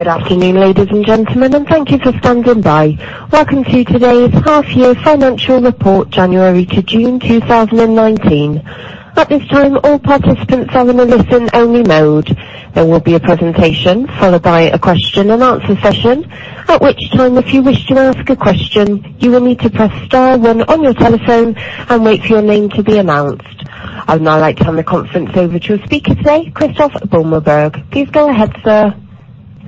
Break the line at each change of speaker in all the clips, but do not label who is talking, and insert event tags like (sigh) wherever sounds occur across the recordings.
Good afternoon, ladies and gentlemen, and thank you for standing by. Welcome to today's half-year financial report, January to June 2019. At this time, all participants are in a listen-only mode. There will be a presentation followed by a question-and-answer session. At which time, if you wish to ask a question, you will need to press star one on your telephone and wait for your name to be announced. I would now like to turn the conference over to your speaker today, Christoph Beumelburg. Please go ahead, sir.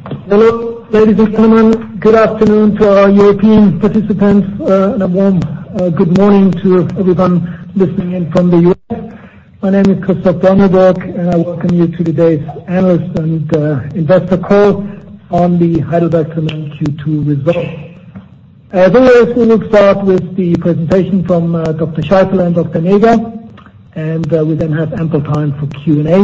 Hello, ladies and gentlemen. Good afternoon to our European participants, and a warm good morning to everyone listening in from the U.S. My name is Christoph Beumelburg, and I welcome you to today's analyst and investor call on the HeidelbergCement Q2 results. As always, we will start with the presentation from Dr. Scheifele and Dr. Näger, and we then have ample time for Q&A.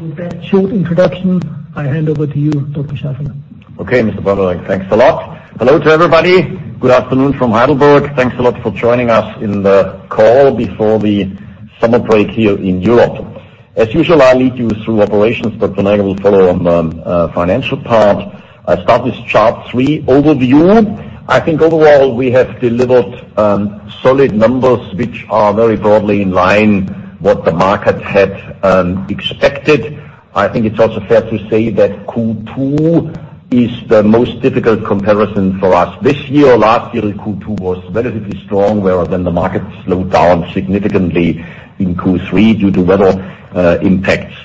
With that short introduction, I hand over to you, Dr. Scheifele.
Okay, Mr. Beumelburg, thanks a lot. Hello to everybody. Good afternoon from HeidelbergCement. Thanks a lot for joining us in the call before the summer break here in Europe. As usual, I'll lead you through operations. Tonight I will follow on the financial part. I start with chart three overview. I think overall, we have delivered solid numbers, which are very broadly in line what the market had expected. I think it's also fair to say that Q2 is the most difficult comparison for us this year. Last year, Q2 was relatively strong, where then the market slowed down significantly in Q3 due to weather impacts.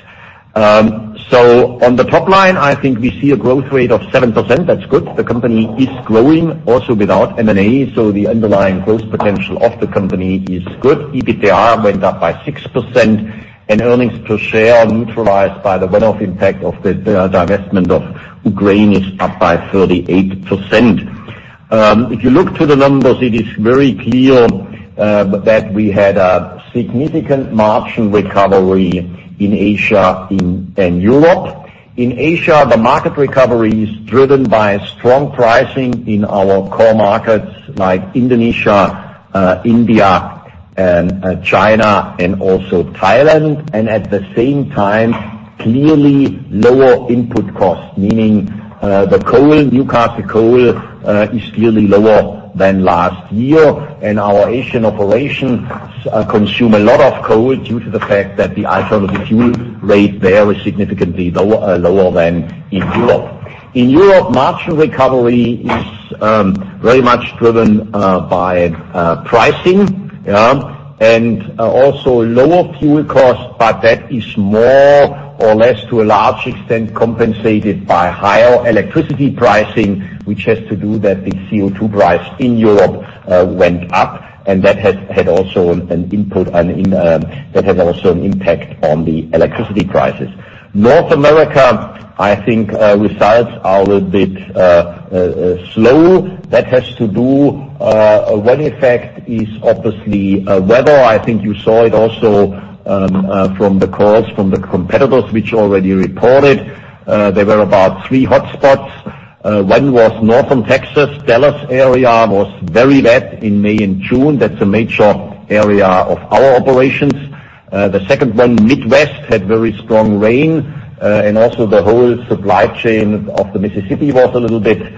On the top line, I think we see a growth rate of 7%. That's good. The company is growing also without M&A. The underlying growth potential of the company is good. EBITDA went up by 6% and earnings per share are neutralized by the one-off impact of the divestment of Ukraine is up by 38%. If you look to the numbers, it is very clear that we had a significant margin recovery in Asia and Europe. In Asia, the market recovery is driven by strong pricing in our core markets like Indonesia, India, and China, and also Thailand. At the same time, clearly lower input costs, meaning the coal, Newcastle coal, is clearly lower than last year. Our Asian operations consume a lot of coal due to the fact that the isolated fuel rate there is significantly lower than in Europe. In Europe, margin recovery is very much driven by pricing, yeah, and also lower fuel costs, but that is more or less to a large extent compensated by higher electricity pricing, which has to do that the CO2 price in Europe went up, that had also an impact on the electricity prices. North America, I think, results are a bit slow. That has to do, one effect is obviously weather. I think you saw it also from the calls from the competitors, which already reported. There were about three hotspots. One was northern Texas. Dallas area was very wet in May and June. That's a major area of our operations. The second one, Midwest, had very strong rain. Also the whole supply chain of the Mississippi was a little bit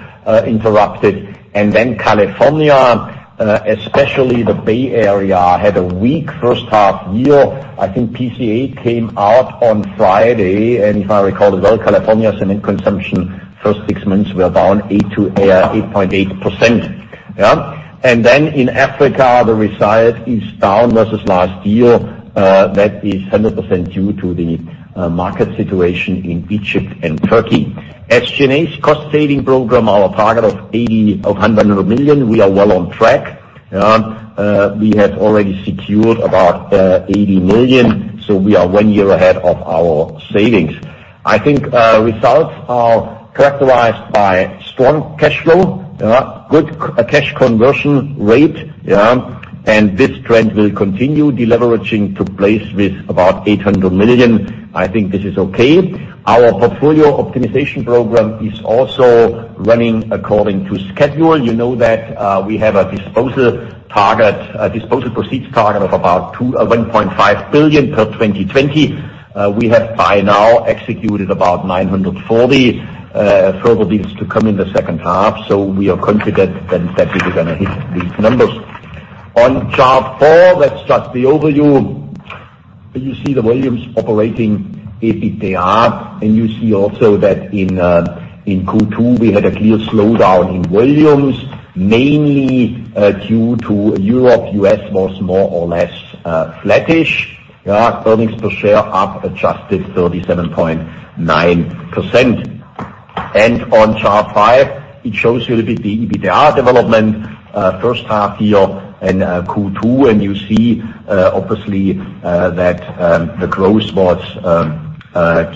interrupted. California, especially the Bay Area, had a weak first half-year. I think PCA came out on Friday, and if I recall it well, California cement consumption first six months were down 8% to 8.8%. In Africa, the result is down versus last year. That is 100% due to the market situation in Egypt and Turkey. SG&A's cost-saving program, our target of 100 million, we are well on track. We have already secured about 80 million, so we are one year ahead of our savings. I think results are characterized by strong cash flow, good cash conversion rate, and this trend will continue. Deleveraging took place with about 800 million. I think this is okay. Our portfolio optimization program is also running according to schedule. You know that we have a disposal proceeds target of about $1.5 billion per 2020. We have by now executed about 940. Further deals to come in the second half. We are confident then that we are going to hit these numbers. On chart four, that's just the overview. You see the volumes operating, EBITDA, and you see also that in Q2, we had a clear slowdown in volumes, mainly due to Europe, U.S. was more or less flattish. Earnings per share up adjusted 37.9%. On chart five, it shows you a little bit the EBITDA development first half year and Q2, and you see obviously, that the growth was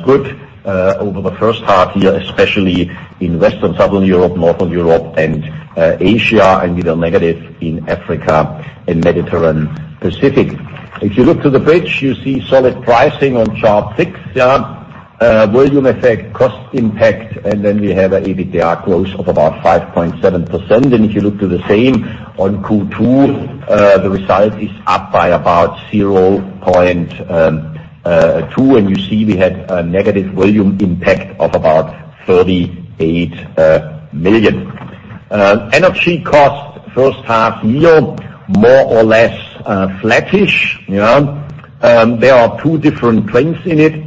good over the first half year, especially in Western Southern Europe, Northern Europe, and Asia, and with a negative in Africa and Mediterranean Pacific. If you look to the bridge, you see solid pricing on chart six. Volume effect, cost impact, and then we have an EBITDA growth of about 5.7%. If you look to the same on Q2, the result is up by about 0.2, you see we had a negative volume impact of about 38 million. Energy cost first half year, more or less flattish. There are two different trends in it.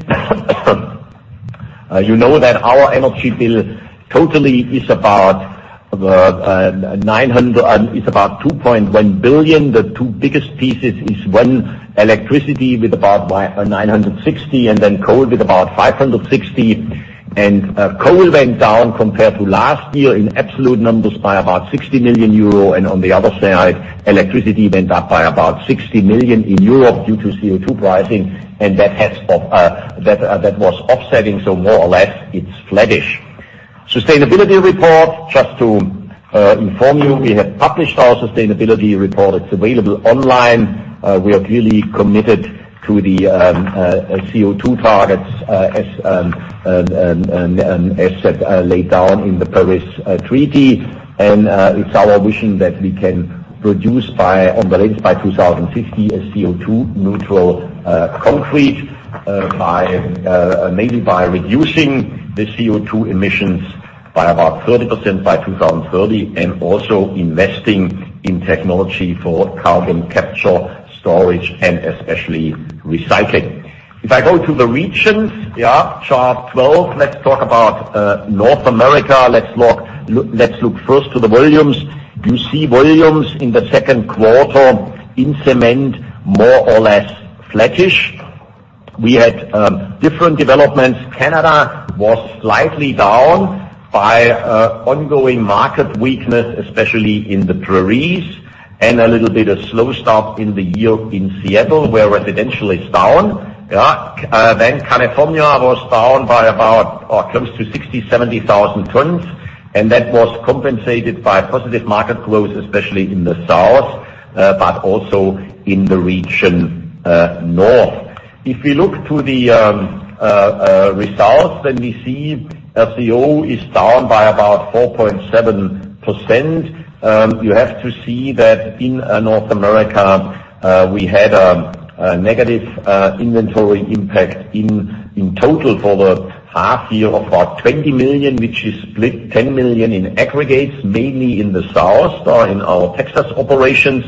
You know that our energy bill totally is about 2.1 billion. The two biggest pieces is, one, electricity with about 960 million and then coal with about 560 million. Coal went down compared to last year in absolute numbers by about 60 million euro and on the other side, electricity went up by about 60 million due to CO2 pricing and that was offsetting, so more or less it's flattish. Sustainability report, just to inform you, we have published our sustainability report. It's available online. We are really committed to the CO2 targets as laid down in the Paris Agreement, and it's our vision that we can produce, on the latest, by 2050, a CO2 neutral concrete, mainly by reducing the CO2 emissions by about 30% by 2030, and also investing in technology for carbon capture, storage, and especially recycling. If I go to the regions, chart 12, let's talk about North America. Let's look first to the volumes. You see volumes in the second quarter in cement, more or less flattish. We had different developments. Canada was slightly down by ongoing market weakness, especially in the prairies, and a little bit of slow stop in the yield in Seattle, where residential is down. California was down by about close to 60,000, 70,000 tons, and that was compensated by positive market growth, especially in the south, but also in the region north. If we look to the results, we see RCO is down by about 4.7%. You have to see that in North America, we had a negative inventory impact in total for the half year of about 20 million, which is split 10 million in aggregates, mainly in the south or in our Texas operations,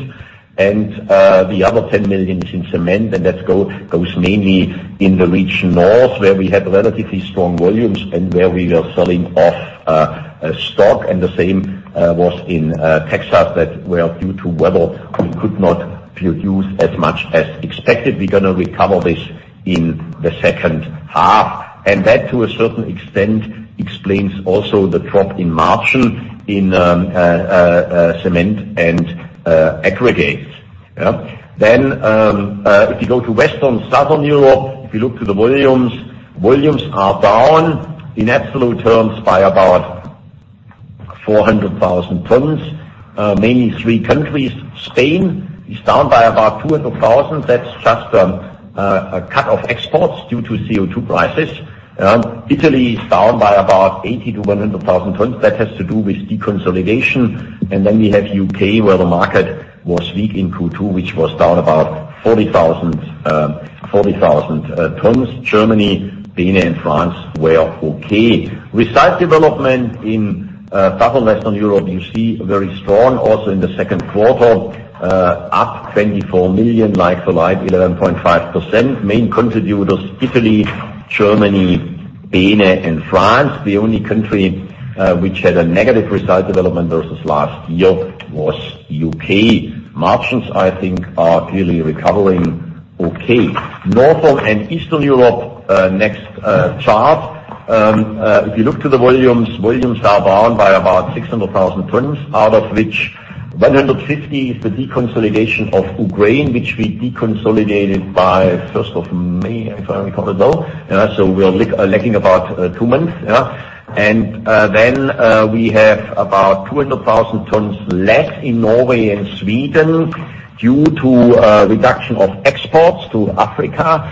and the other 10 million is in cement, and that goes mainly in the region north, where we had relatively strong volumes and where we were selling off stock, and the same was in Texas, that where due to weather, we could not produce as much as expected. We're going to recover this in the second half, and that, to a certain extent, explains also the drop in margin in cement and aggregates. If you go to Western, Southern Europe, if you look to the volumes are down in absolute terms by about 400,000 tons. Mainly three countries. Spain is down by about 200,000. That's just a cut of exports due to CO2 prices. Italy is down by about 80,000 to 100,000 tons. That has to do with deconsolidation. We have U.K., where the market was weak in Q2, which was down about 40,000 tons. Germany, BeNe, and France were okay. Recycled development in Southern Western Europe, you see very strong also in the second quarter, up 24 million like for like 11.5%. Main contributors, Italy, Germany, BeNe, and France. The only country which had a negative recycled development versus last year was U.K. Margins, I think, are clearly recovering okay. Northern and Eastern Europe, next chart. If you look to the volumes are down by about 600,000 tons, out of which 150 is the deconsolidation of Ukraine, which we deconsolidated by 1st of May, if I recall it well. We're lagging about two months. We have about 200,000 tons less in Norway and Sweden due to a reduction of exports to Africa,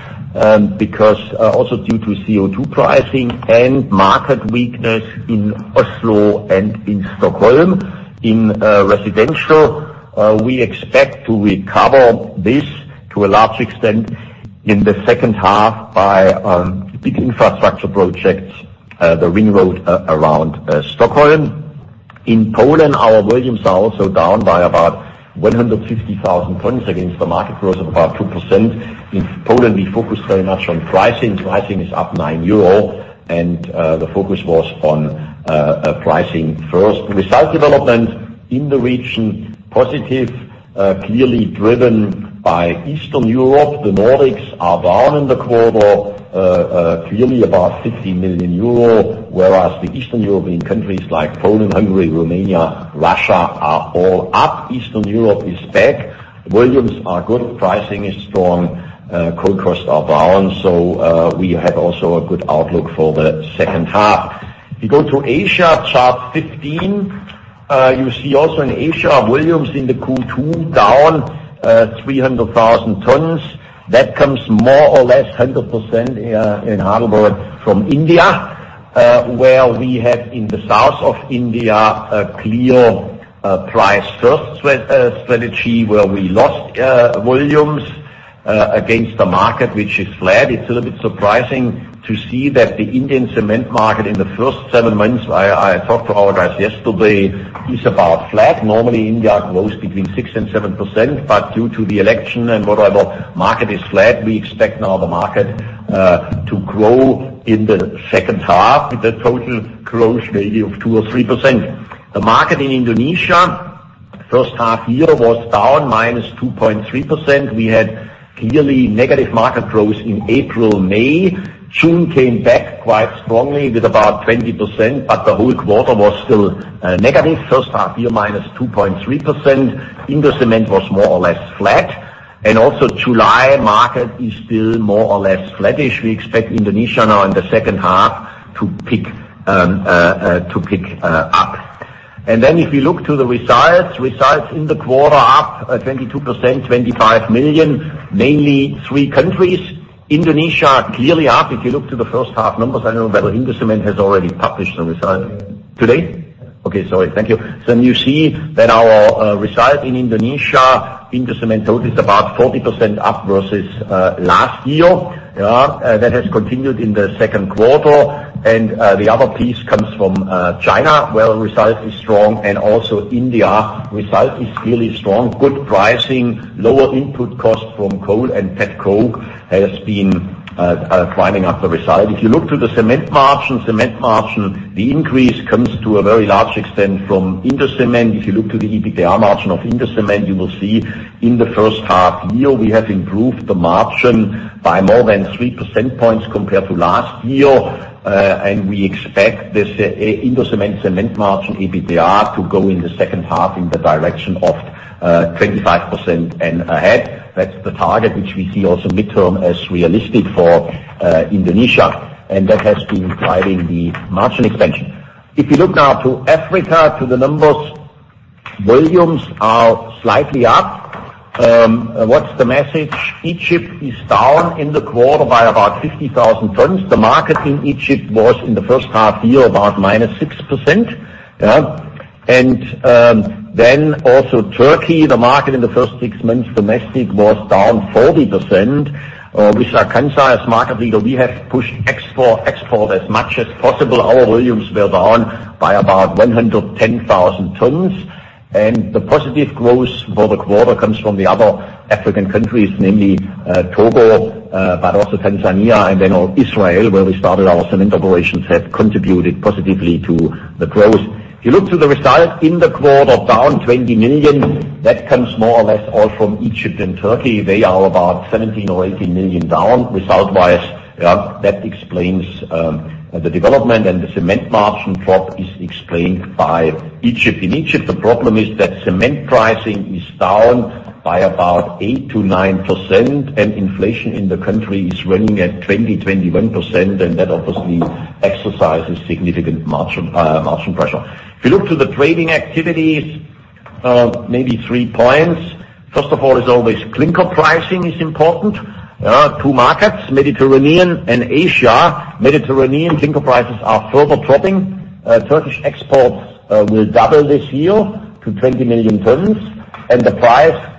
because also due to CO2 pricing and market weakness in Oslo and in Stockholm. In residential, we expect to recover this to a large extent in the second half by big infrastructure projects, the ring road around Stockholm. In Poland, our volumes are also down by about 150,000 tons against the market growth of about 2%. In Poland, we focus very much on pricing. Pricing is up 9 euro. The focus was on pricing first. Recycled development in the region, positive, clearly driven by Eastern Europe. The Nordics are down in the quarter, clearly about 50 million euro, whereas the Eastern European countries like Poland, Hungary, Romania, Russia are all up. Eastern Europe is back. Volumes are good, pricing is strong, coal costs are down. We have also a good outlook for the second half. If you go to Asia, chart 15, you see also in Asia, volumes in the Q2 down 300,000 tons. That comes more or less 100% in harbor from India, where we had in the south of India a clear price-first strategy where we lost volumes. Against the market, which is flat. It's a little bit surprising to see that the Indian cement market in the first seven months, I talked to our guys yesterday, is about flat. Normally, India grows between 6% and 7%, due to the election and whatever, market is flat. We expect now the market to grow in the second half with a total growth maybe of 2% or 3%. The market in Indonesia first half year was down -2.3%. We had clearly negative market growth in April, May. June came back quite strongly with about 20%, but the whole quarter was still negative. First half year, -2.3%. Indocement was more or less flat. Also July market is still more or less flattish. We expect Indonesia now in the second half to pick up. If we look to the results in the quarter up 22%, 25 million, mainly three countries. Indonesia clearly up. If you look to the first half numbers, I don't know whether Indocement has already published the result today? Okay, sorry. Thank you. You see that our result in Indonesia, Indocement, total is about 40% up versus last year. That has continued in the second quarter. The other piece comes from China, where result is strong and also India result is really strong. Good pricing, lower input cost from coal and petcoke has been driving up the result. If you look to the cement margin, the increase comes to a very large extent from Indocement. If you look to the EBITDA margin of Indocement, you will see in the first half year, we have improved the margin by more than three percentage points compared to last year. We expect this Indocement cement margin, EBITDA, to go in the second half in the direction of 25% and ahead. That's the target which we see also midterm as realistic for Indonesia. That has been driving the margin expansion. If you look now to Africa, to the numbers, volumes are slightly up. What's the message? Egypt is down in the quarter by about 50,000 tons. The market in Egypt was in the first half year about -6%. Also Turkey, the market in the first six months, domestic, was down 40%, which are Akçansa market leader. We have pushed export as much as possible. Our volumes were down by about 110,000 tons. The positive growth for the quarter comes from the other African countries, namely Togo, but also Tanzania and then Israel, where we started our cement operations, have contributed positively to the growth. If you look to the results in the quarter, down 20 million. That comes more or less all from Egypt and Turkey. They are about 17 million-18 million down result-wise. That explains the development, and the cement margin drop is explained by Egypt. In Egypt, the problem is that cement pricing is down by about 8%-9%, inflation in the country is running at 20%-21%, and that obviously exercises significant margin pressure. If you look to the trading activities, maybe three points. First of all, as always, clinker pricing is important. Two markets, Mediterranean and Asia. Mediterranean clinker prices are further dropping. Turkish exports will double this year to 20 million tons, the price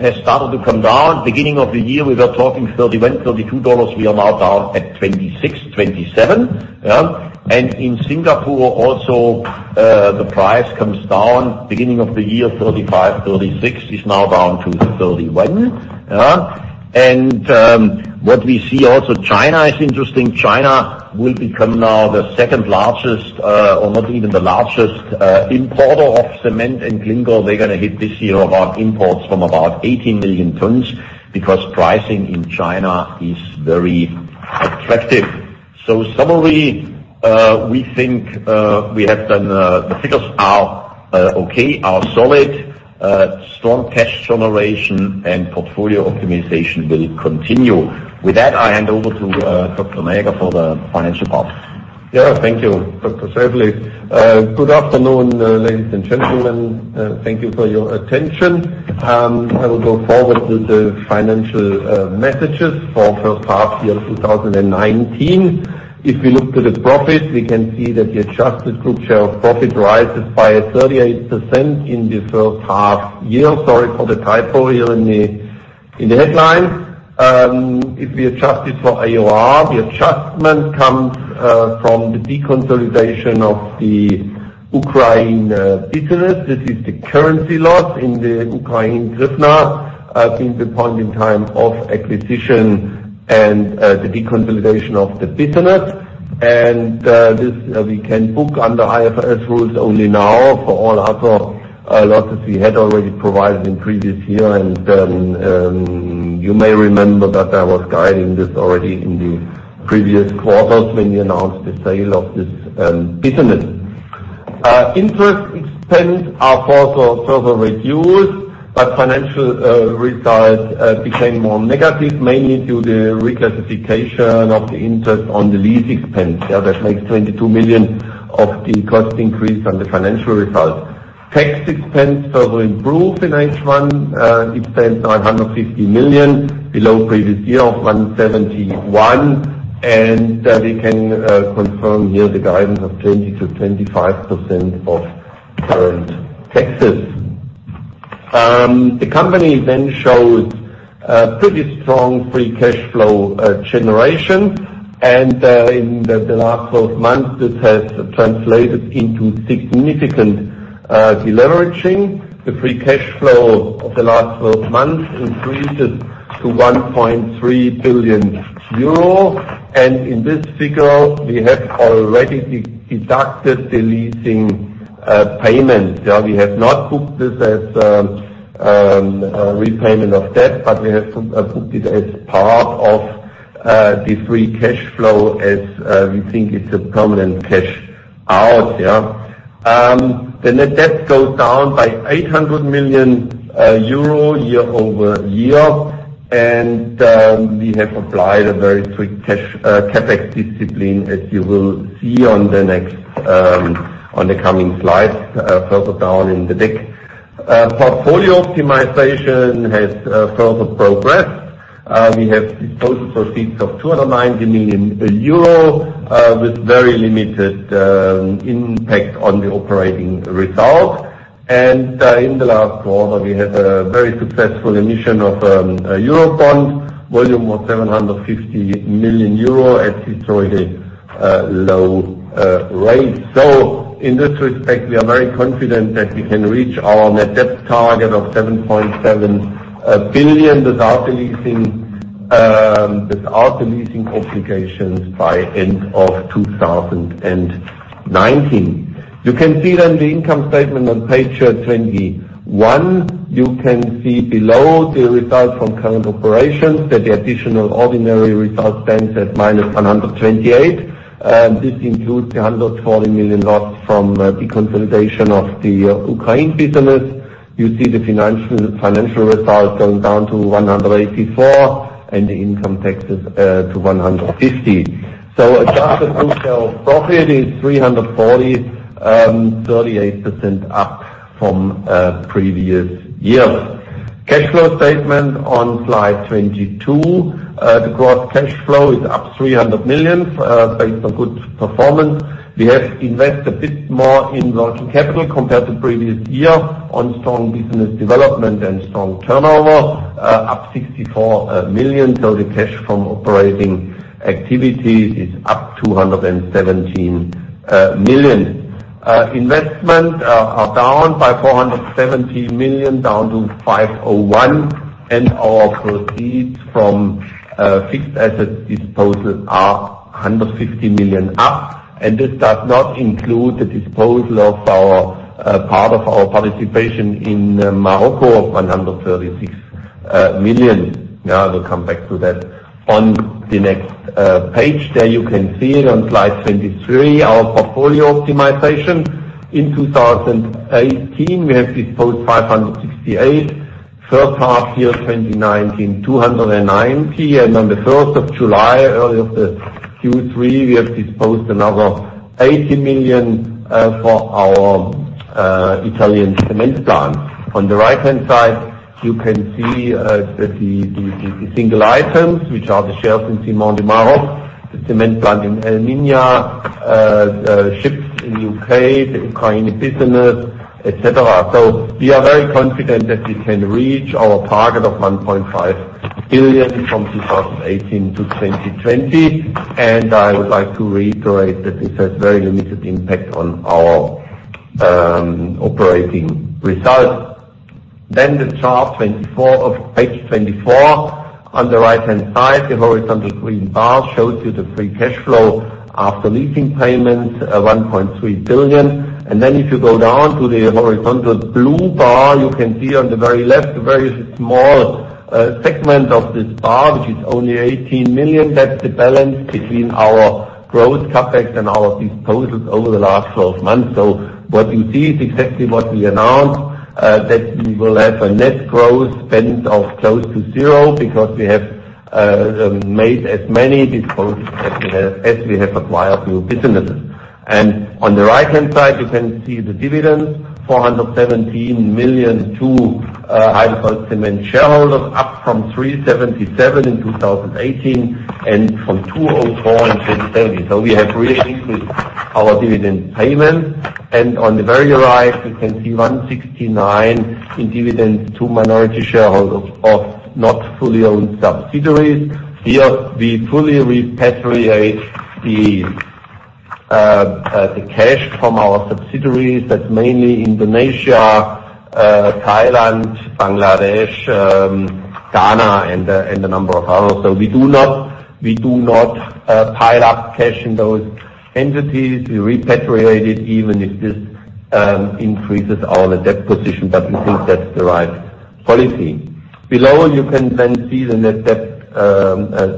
has started to come down. Beginning of the year, we were talking $31-$32. We are now down at $26-$27. In Singapore, also the price comes down. Beginning of the year, $35-$36, is now down to $31. What we see also, China is interesting. China will become now the second largest, or maybe even the largest importer of cement and clinker. They're going to hit this year about imports from about 18 million tons because pricing in China is very attractive. Summary, we think the figures are okay, are solid. Strong cash generation and portfolio optimization will continue. With that, I hand over to Dr. Näger for the financial part.
Thank you, Dr. Scheifele. Good afternoon, ladies and gentlemen. Thank you for your attention. I will go forward with the financial messages for first half year 2019. If we look to the profit, we can see that the adjusted group share of profit rises by 38% in the first half year. Sorry for the typo here in the headline. If we adjust it for AOR, the adjustment comes from the deconsolidation of the Ukraine business. This is the currency loss in the Ukraine, Kryvyi Rih, since the point in time of acquisition and the deconsolidation of the business. This we can book under IFRS rules only now. For all other losses, we had already provided in previous year, you may remember that I was guiding this already in the previous quarters when we announced the sale of this business. Interest expense are also further reduced, but financial results became more negative, mainly due to reclassification of the interest on the lease expense. That makes 22 million of the cost increase on the financial result. Tax expense further improve in H1. (audio distortion) below previous year of 171, and we can confirm here the guidance of 20%-25% of current taxes. The company shows a pretty strong free cash flow generation, and in the last 12 months, this has translated into significant de-leveraging. The free cash flow of the last 12 months increases to 1.3 billion euro. In this figure, we have already deducted the leasing payment. We have not booked this as repayment of debt, but we have booked it as part of the free cash flow as we think it's a permanent cash out. The debt goes down by EUR 800 million year-over-year and we have applied a very strict CapEx discipline, as you will see on the coming slides further down in the deck. Portfolio optimization has further progressed. We have disposal proceeds of 290 million euro with very limited impact on the operating result. In the last quarter, we had a very successful emission of Eurobond, volume of 750 million euro at historically low rates. In this respect, we are very confident that we can reach our net debt target of 7.7 billion without the leasing obligations by end of 2019. You can see the income statement on page 21. You can see below the Result from Current Operations that the Additional Ordinary Result stands at -128. This includes 140 million loss from deconsolidation of the Ukraine business. You see the financial result going down to 184 and income taxes to 150. Adjusted group profit is 340, 38% up from previous years. Cash flow statement on slide 22. The gross cash flow is up 300 million based on good performance. We have invested a bit more in working capital compared to previous year on strong business development and strong turnover, up 64 million. The cash from operating activities is up 217 million. Investments are down by 470 million, down to 501, and our proceeds from fixed asset disposals are 150 million up, and this does not include the disposal of part of our participation in Morocco of 136 million. I will come back to that on the next page. There you can see it on slide 23, our portfolio optimization. In 2018, we have disposed 568. First half year 2019, 290. On the 1st of July, early of the Q3, we have disposed another 80 million for our Italian cement plant. On the right-hand side, you can see the single items, which are the shares in Ciments du Maroc, the cement plant in El Minya, ships in U.K., the Ukraine business, et cetera. We are very confident that we can reach our target of $1.5 billion from 2018 to 2020, and I would like to reiterate that this has very limited impact on our operating results. The chart 24 of page 24. On the right-hand side, the horizontal green bar shows you the free cash flow after leasing payments of 1.3 billion. If you go down to the horizontal blue bar, you can see on the very left a very small segment of this bar, which is only 18 million. That is the balance between our growth CapEx and our disposals over the last 12 months. What you see is exactly what we announced, that we will have a net growth spend of close to zero because we have made as many disposals as we have acquired new businesses. On the right-hand side, you can see the dividends, 417 million to HeidelbergCement shareholders, up from 377 in 2018 and from 204 in 2017. We have really increased our dividend payments. On the very right, you can see 169 in dividends to minority shareholders of not fully owned subsidiaries. Here, we fully repatriate the cash from our subsidiaries. That is mainly Indonesia, Thailand, Bangladesh, Ghana, and a number of others. We do not pile up cash in those entities. We repatriate it even if this increases our net debt position, but we think that is the right policy. Below, you can see the net debt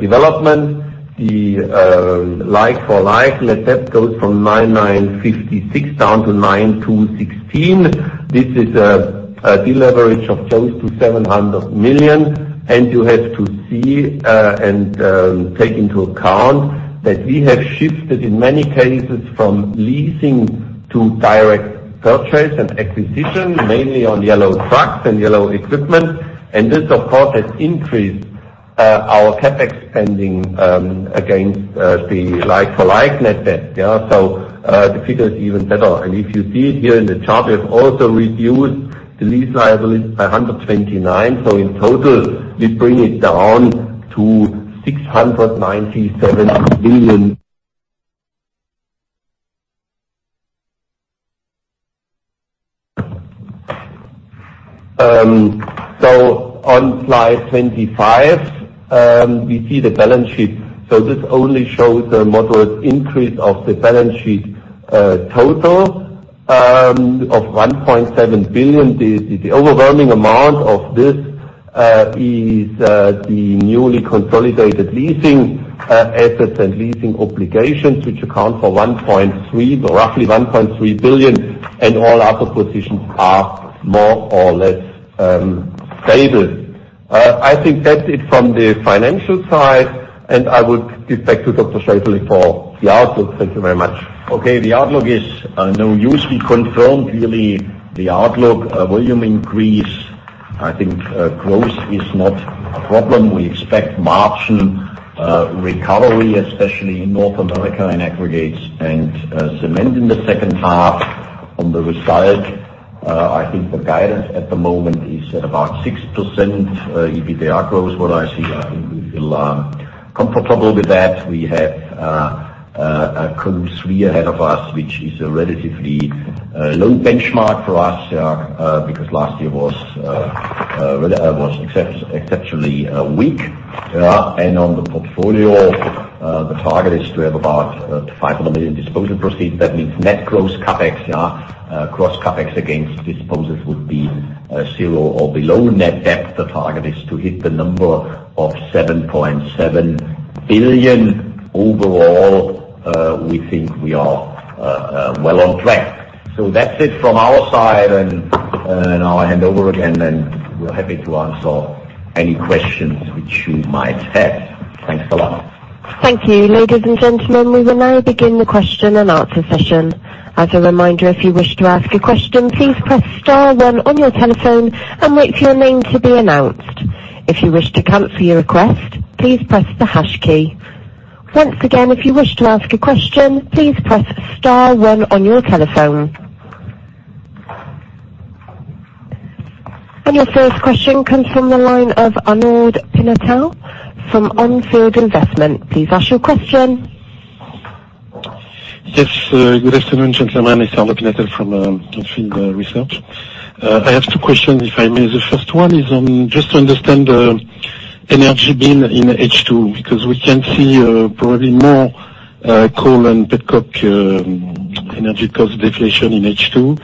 development. The like-for-like net debt goes from 9,956 down to 9,216. This is a deleverage of close to 700 million. You have to see, and take into account that we have shifted, in many cases, from leasing to direct purchase and acquisition, mainly on yellow trucks and yellow equipment. This, of course, has increased our CapEx spending against the like-for-like net debt. The figure is even better. If you see it here in the chart, we have also reduced the lease liabilities by EUR 129. In total, we bring it down to 697 million. On slide 25, we see the balance sheet. This only shows a moderate increase of the balance sheet total of 1.7 billion. The overwhelming amount of this is the newly consolidated leasing assets and leasing obligations, which account for roughly 1.3 billion, and all other positions are more or less stable. I think that's it from the financial side, and I would give back to Dr. Scheifele for the outlook. Thank you very much.
Okay. The outlook is no use. We confirmed really the outlook volume increase. I think growth is not a problem. We expect margin recovery, especially in North America, in aggregates and cement in the second half. On the risk side, I think the guidance at the moment is at about 6% EBITDA growth. What I see, I think we feel comfortable with that. We have a Q3 ahead of us, which is a relatively low benchmark for us, because last year was exceptionally weak. On the portfolio, the target is to have about 500 million disposal proceeds. That means net gross CapEx. Gross CapEx against disposals would be zero or below net debt. The target is to hit the number of 7.7 billion. Overall, we think we are well on track. That's it from our side, and I'll hand over again, and we're happy to answer any questions which you might have. Thanks a lot.
Thank you. Ladies and gentlemen, we will now begin the question-and-answer session. As a reminder, if you wish to ask a question, please press star one on your telephone and wait for your name to be announced. If you wish to cancel your request, please press the hash key. Once again, if you wish to ask a question, please press star one on your telephone. Your first question comes from the line of Arnaud Pinatel from On Field Investment Research. Please ask your question.
Yes. Good afternoon, gentlemen. It's Arnaud Pinatel from On Field Research. I have two questions, if I may. The first one is on just to understand the energy bill in H2. We can see probably coal and petcoke energy cost deflation in H2.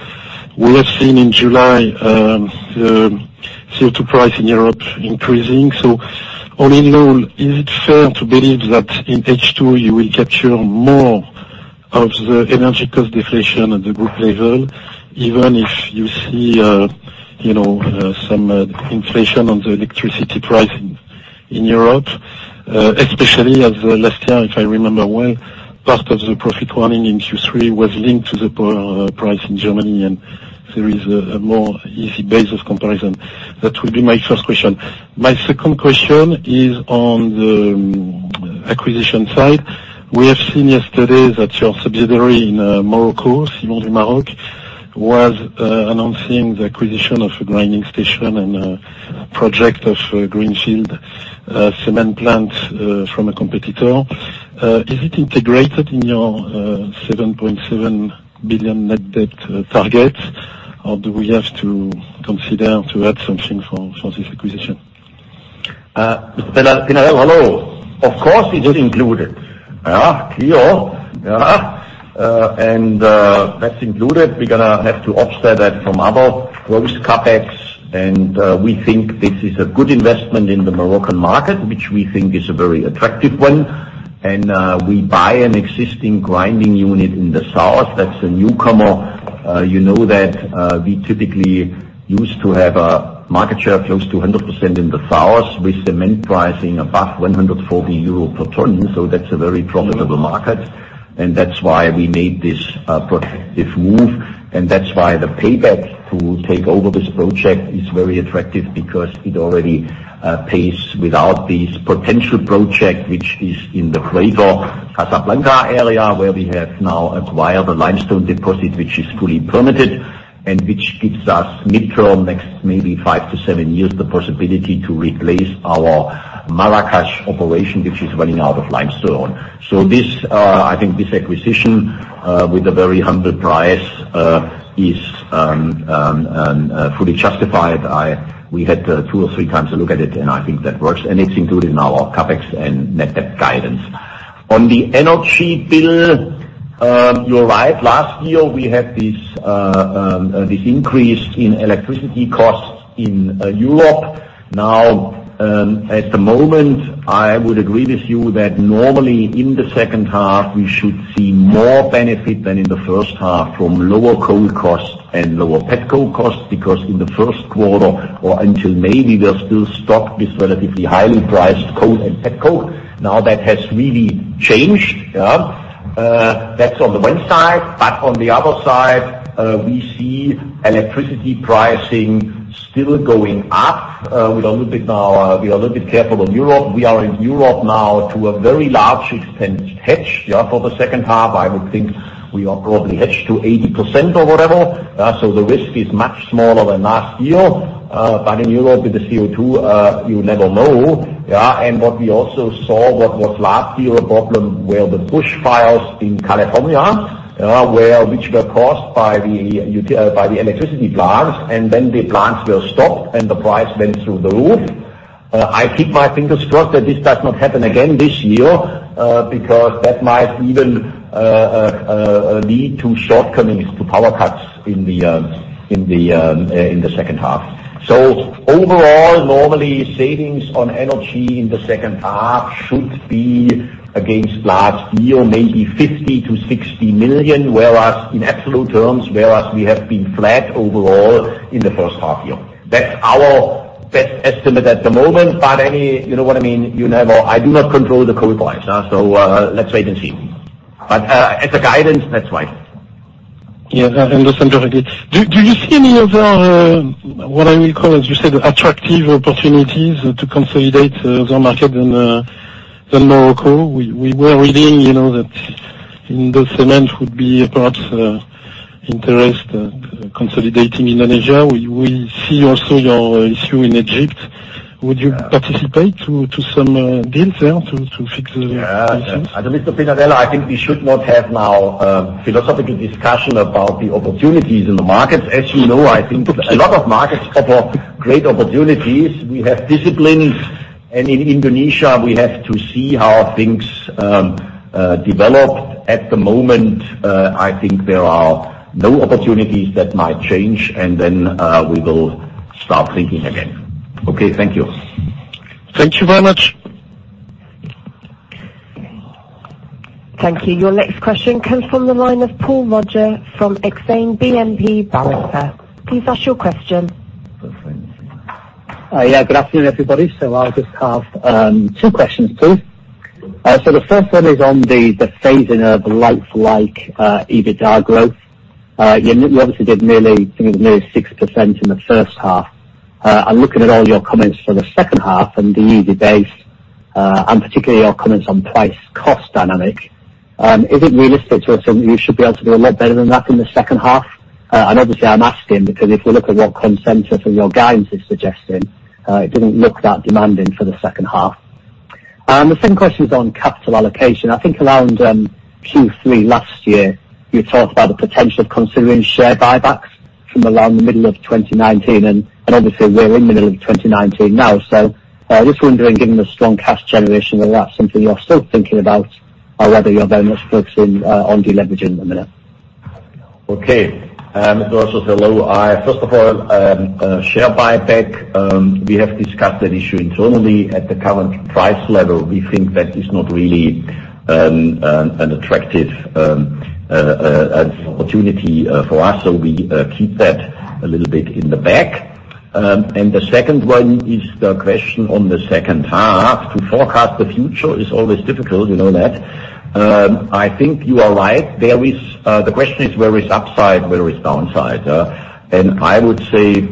We have seen in July the CO2 price in Europe increasing. All in all, is it fair to believe that in H2 you will capture more of the energy cost deflation at the group level, even if you see some inflation on the electricity price in Europe? Especially as last year, if I remember well, part of the profit warning in Q3 was linked to the power price in Germany, and there is a more easy base of comparison. That would be my first question. My second question is on the acquisition side. We have seen yesterday that your subsidiary in Morocco, Ciments du Maroc, was announcing the acquisition of a grinding station and a project of greenfield cement plant from a competitor. Is it integrated in your 7.7 billion net debt target, or do we have to consider to add something for this acquisition?
Pinatel, hello. Of course, it is included. That's included. We're going to have to offset that from other gross CapEx, and we think this is a good investment in the Moroccan market, which we think is a very attractive one. We buy an existing grinding unit in the south that's a newcomer. You know that we typically used to have a market share close to 100% in the south, with cement pricing above 140 euro per ton. That's a very profitable market, and that's why we made this protective move. That's why the payback to take over this project is very attractive, because it already pays without this potential project, which is in the greater Casablanca area, where we have now acquired a limestone deposit, which is fully permitted, and which gives us mid-term, next maybe five to seven years, the possibility to replace our Marrakesh operation, which is running out of limestone. I think this acquisition with a very humble price is fully justified. We had two or three times to look at it, I think that works, and it's included in our CapEx and net debt guidance. On the energy bill, you're right. Last year, we had this increase in electricity costs in Europe. At the moment, I would agree with you that normally in the second half, we should see more benefit than in the first half from lower coal costs and lower pet coke costs, because in the first quarter, or until May, we were still stuck with relatively highly priced coal and petcoke. That has really changed. That's on the one side. On the other side, we see electricity pricing still going up. We're a little bit careful on Europe. We are in Europe now to a very large extent hedged for the second half. I would think we are probably hedged to 80% or whatever. The risk is much smaller than last year. In Europe, with the CO2, you never know. What we also saw, what was last year a problem were the bushfires in California, which were caused by the electricity plants, and then the plants were stopped, and the price went through the roof. I keep my fingers crossed that this does not happen again this year, because that might even lead to shortcomings to power cuts in the second half. Overall, normally, savings on energy in the second half should be against last year, maybe 50 million-60 million, whereas in absolute terms, whereas we have been flat overall in the first half year. That's our best estimate at the moment, but you know what I mean? I do not control the coal price. Let's wait and see. As a guidance, that's why.
Yeah. I understand perfectly. Do you see any other, what I will call, as you said, attractive opportunities to consolidate your market in Morocco? We were reading that Indocement would be perhaps interest consolidating Indonesia. We see also your issue in Egypt. Would you participate to some deals there to fix the issues?
Yeah. Mr. Pinatel, I think we should not have now a philosophical discussion about the opportunities in the market. As you know, I think a lot of markets offer great opportunities. We have disciplines, and in Indonesia, we have to see how things develop. At the moment, I think there are no opportunities that might change, and then we will start thinking again.
Okay. Thank you.
Thank you very much.
Thank you. Your next question comes from the line of Paul Roger from Exane BNP Paribas. Please ask your question.
Yeah. Good afternoon, everybody. I'll just have two questions, please. The first one is on the phasing of like EBITDA growth. You obviously did nearly 6% in the first half. Looking at all your comments for the second half and the easy base, and particularly your comments on price cost dynamic, is it realistic to assume you should be able to do a lot better than that in the second half? Obviously, I'm asking because if we look at what consensus and your guidance is suggesting, it didn't look that demanding for the second half. The second question is on capital allocation. I think around Q3 last year, you talked about the potential of considering share buybacks from around the middle of 2019, and obviously we're in the middle of 2019 now. Just wondering, given the strong cash generation, whether that's something you're still thinking about or whether you're very much focusing on deleveraging at the minute.
Okay. Mr. Roger, hello. First of all, share buyback. We have discussed that issue internally. At the current price level, we think that is not really an attractive opportunity for us, so we keep that a little bit in the back. The second one is the question on the second half. To forecast the future is always difficult, you know that. I think you are right. The question is, where is upside, where is downside? I would say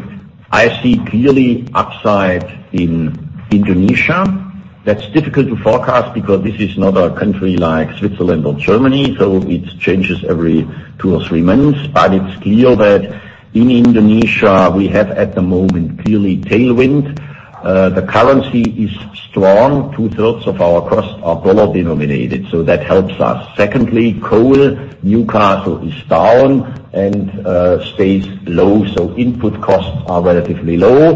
I see clearly upside in Indonesia. That's difficult to forecast because this is not a country like Switzerland or Germany, so it changes every two or three months. It's clear that in Indonesia, we have, at the moment, clearly tailwind. The currency is strong. Two-thirds of our costs are dollar-denominated, so that helps us. Secondly, coal, Newcastle is down and stays low, so input costs are relatively low.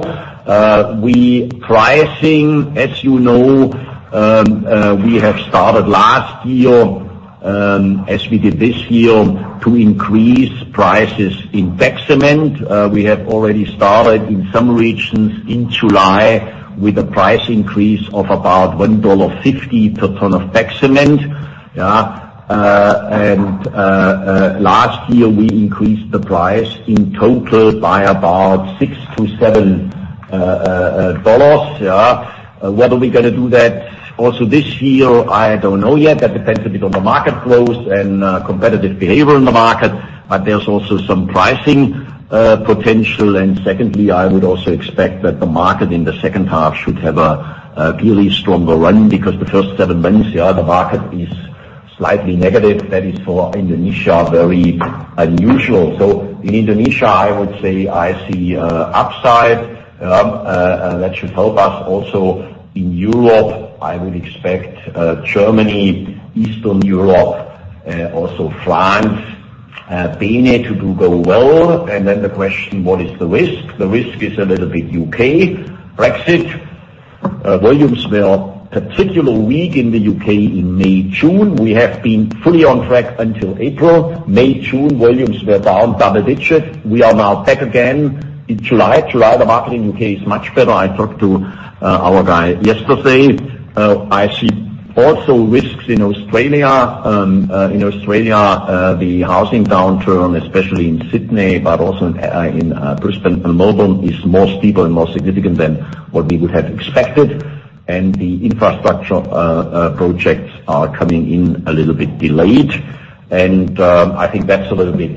We pricing, as you know, we have started last year, as we did this year, to increase prices in bag cement. We have already started in some regions in July with a price increase of about $1.50 per ton of bag cement. Last year, we increased the price in total by about $6-$7. Whether we're going to do that also this year, I don't know yet. That depends a bit on the market flows and competitive behavior in the market, there's also some pricing potential. Secondly, I would also expect that the market in the second half should have a really stronger run, the first seven months, the market is slightly negative. That is, for Indonesia, very unusual. In Indonesia, I would say I see upside. That should help us also in Europe. I would expect Germany, Eastern Europe, also France and BeNe to go well. The question, what is the risk? The risk is a little bit U.K. Brexit. Volumes were particularly weak in the U.K. in May, June. We have been fully on track until April. May, June, volumes were down double-digits. We are now back again in July. July, the market in U.K. is much better. I talked to our guy yesterday. I see also risks in Australia. In Australia, the housing downturn, especially in Sydney, but also in Brisbane and Melbourne, is more steeper and more significant than what we would have expected. The infrastructure projects are coming in a little bit delayed. I think that's a little bit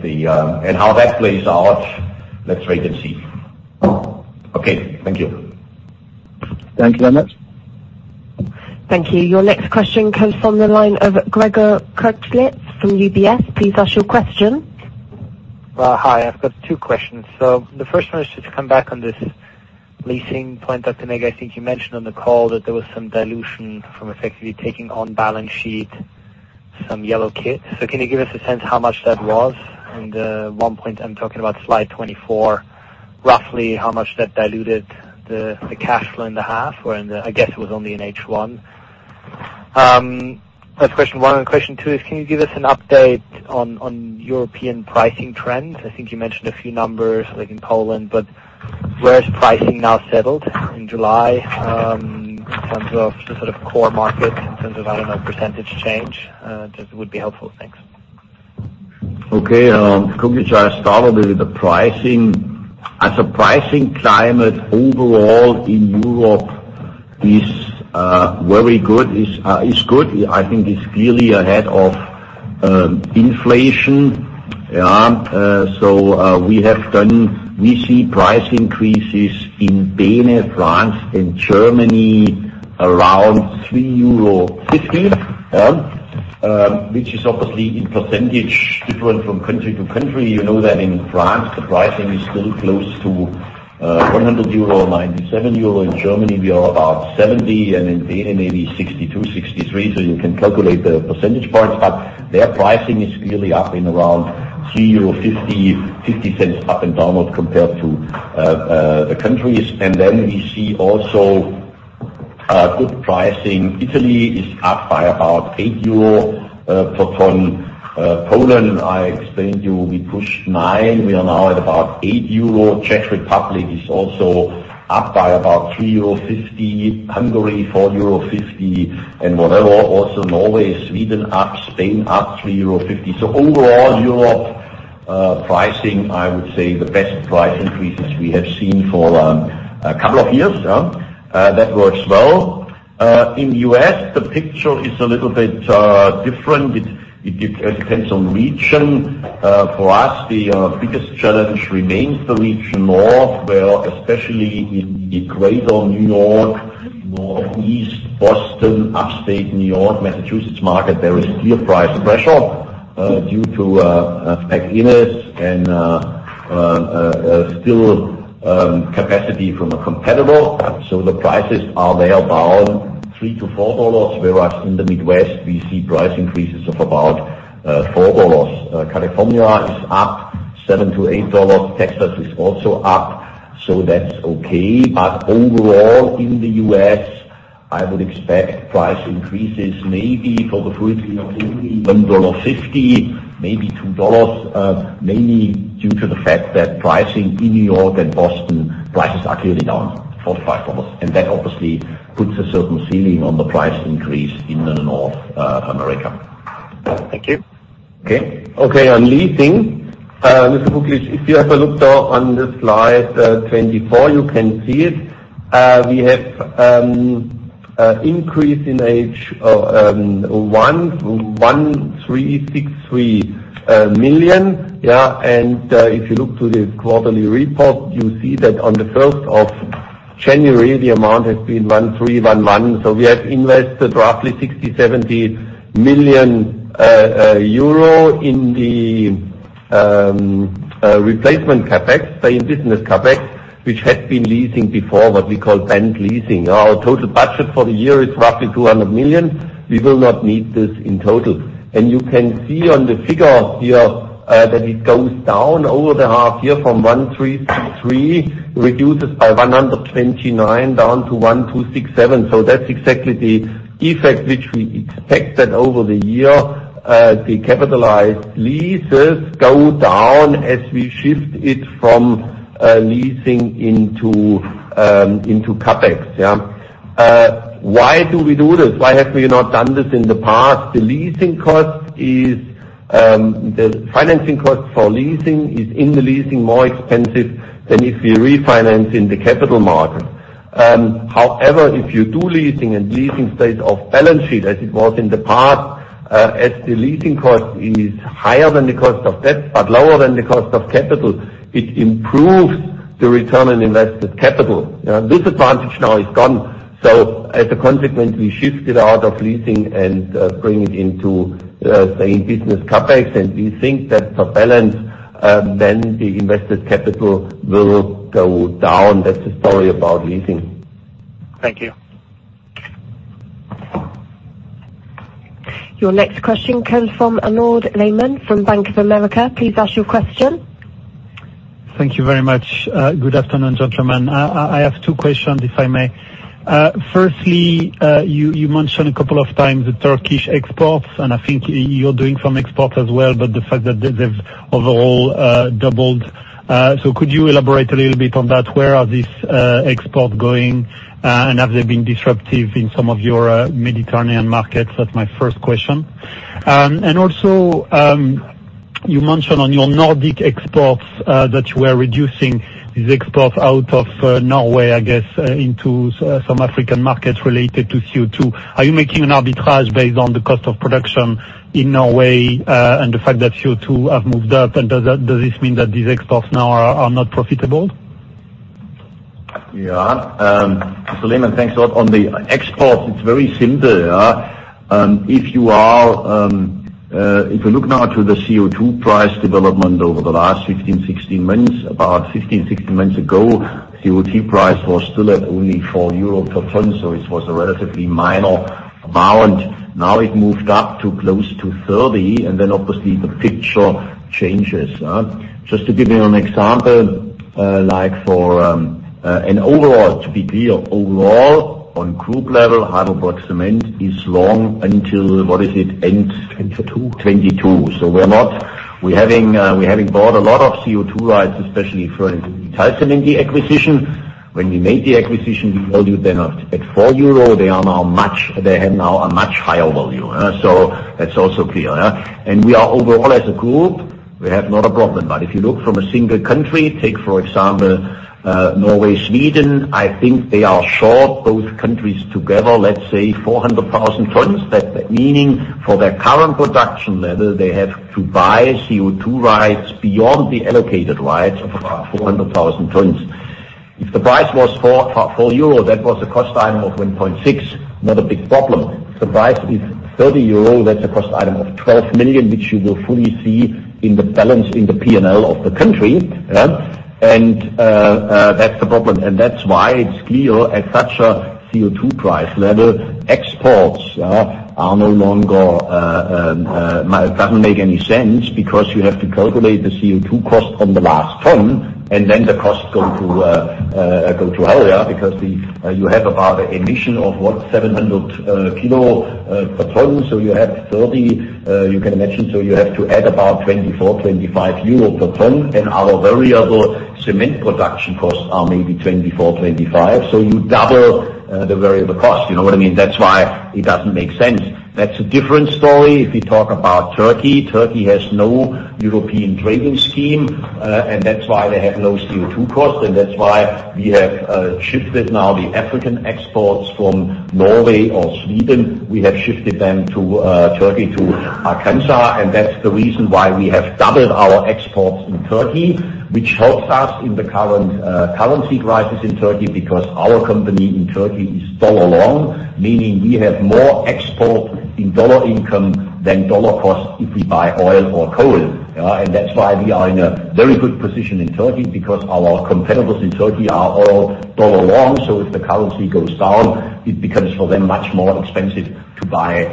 how that plays out, let's wait and see. Okay, thank you.
Thank you.
Thank you. Your next question comes from the line of Gregor Kuglitsch from UBS. Please ask your question.
Well, hi. I've got two questions. The first one is just to come back on this leasing point, Dr. Näger, I think you mentioned on the call that there was some dilution from effectively taking on balance sheet some yellow kit. Can you give us a sense how much that was? One point, I'm talking about slide 24, roughly how much that diluted the cash flow in the half or I guess it was only in H1. That's question one. Question two is can you give us an update on European pricing trends? I think you mentioned a few numbers, like in Poland, but where is pricing now settled in July in terms of the sort of core markets in terms of, I don't know, percentage change? That would be helpful. Thanks.
Okay. Could we try to start a bit with the pricing? I think pricing climate overall in Europe is very good. I think it's clearly ahead of inflation. We see price increases in BeNe, France, and Germany around 3.50 euro, which is obviously in percentage different from country to country. You know that in France, the pricing is still close to 100 euro, 97 euro. In Germany, we are about 70, and in BeNe maybe 62, 63. You can calculate the percentage points, but their pricing is clearly up in around 3.50 euro, 0.50 up and downward compared to the countries. We see also good pricing. Italy is up by about 8 euro. Poland, I explained you, we pushed 9. We are now at about 8 euro. Czech Republic is also up by about 3.50 euro. Hungary, 4.50 euro. Whatever, also Norway, Sweden up, Spain up 3.50 euro. Overall, Europe pricing, I would say the best price increases we have seen for a couple of years. That works well. In the U.S., the picture is a little bit different. It depends on region. For us, the biggest challenge remains the region north, where especially in greater New York, northeast Boston, upstate New York, Massachusetts market, there is still price pressure due to spec in it and still capacity from a competitor. The prices are there about $3-$4, whereas in the Midwest, we see price increases of about $4. California is up $7-$8. Texas is also up. That's okay. Overall, in the U.S., I would expect price increases maybe for the full $1.50, maybe $2, mainly due to the fact that pricing in New York and Boston, prices are clearly down $4-$5. That obviously puts a certain ceiling on the price increase in the North America.
Thank you.
Okay. On leasing, Mr. Kuglitsch, if you have a look there on the slide 24, you can see it. We have an increase in H1, 1,363 million. If you look to the quarterly report, you see that on the 1st of January, the amount has been 1,311. We have invested roughly 60 million, 70 million euro in the replacement CapEx, stay in business CapEx, which had been leasing before, what we call bank leasing. Our total budget for the year is roughly 200 million. We will not need this in total. You can see on the figure here that it goes down over the half year from 1,363, reduces by 129 down to 1,267. That's exactly the effect which we expect that over the year, the capitalized leases go down as we shift it from leasing into CapEx. Why do we do this? Why have we not done this in the past? The financing cost for leasing is in the leasing more expensive than if we refinance in the capital market. If you do leasing and leasing stays off balance sheet as it was in the past, as the leasing cost is higher than the cost of debt but lower than the cost of capital, it improves the return on invested capital. This advantage now is gone. As a consequence, we shift it out of leasing and bring it into stay in business CapEx. We think that for balance, the invested capital will go down. That's the story about leasing.
Thank you.
Your next question comes from Arnaud Lehmann from Bank of America. Please ask your question.
Thank you very much. Good afternoon, gentlemen. I have two questions, if I may. Firstly, you mentioned a couple of times the Turkish exports, and I think you're doing some export as well, but the fact that they've overall doubled. Could you elaborate a little bit on that? Where are these exports going, and have they been disruptive in some of your Mediterranean markets? That's my first question. Also, you mentioned on your Nordic exports that you are reducing these exports out of Norway, I guess, into some African markets related to CO2. Are you making an arbitrage based on the cost of production in Norway and the fact that CO2 have moved up? Does this mean that these exports now are not profitable?
Lehmann, thanks a lot. On the exports, it's very similar. If you look now to the CO2 price development over the last 15, 16 months, about 15, 16 months ago, CO2 price was still at only 4 euro per ton, it was a relatively minor amount. Now it moved up to close to 30, obviously the picture changes. Just to give you an example, to be clear, overall, on group level, HeidelbergCement is long until, what is it, end 2022. 2022. We're having bought a lot of CO2 rights, especially for the Italcementi acquisition. When we made the acquisition, we valued them at 4 euro, they have now a much higher value. That's also clear. We are overall, as a group, we have not a problem. If you look from a single country, take for example, Norway, Sweden, I think they are short, both countries together, let's say 400,000 tons. Meaning, for their current production level, they have to buy CO2 rights beyond the allocated rights of 400,000 tons. If the price was 4 euro, that was a cost item of 1.6, not a big problem. If the price is 30 euro, that's a cost item of 12 million, which you will fully see in the balance in the P&L of the country. That's the problem. That's why it's clear, at such a CO2 price level, exports no longer make any sense, because you have to calculate the CO2 cost on the last ton, and then the costs go to higher, because you have about an emission of, what, 700 kilo per ton, so you have 30, you can imagine, so you have to add about 24, 25 euro per ton, and our variable cement production costs are maybe 24, 25. You double the variable cost. You know what I mean? That's why it doesn't make sense. That's a different story if you talk about Turkey. Turkey has no European trading scheme, that's why they have low CO2 costs, that's why we have shifted now the African exports from Norway or Sweden, we have shifted them to Turkey, to Akçansa, and that's the reason why we have doubled our exports in Turkey, which helps us in the current currency crisis in Turkey, because our company in Turkey is dollar-long, meaning we have more export in dollar income than dollar cost if we buy oil or coal. That's why we are in a very good position in Turkey, because our competitors in Turkey are all dollar-long, so if the currency goes down, it becomes for them much more expensive to buy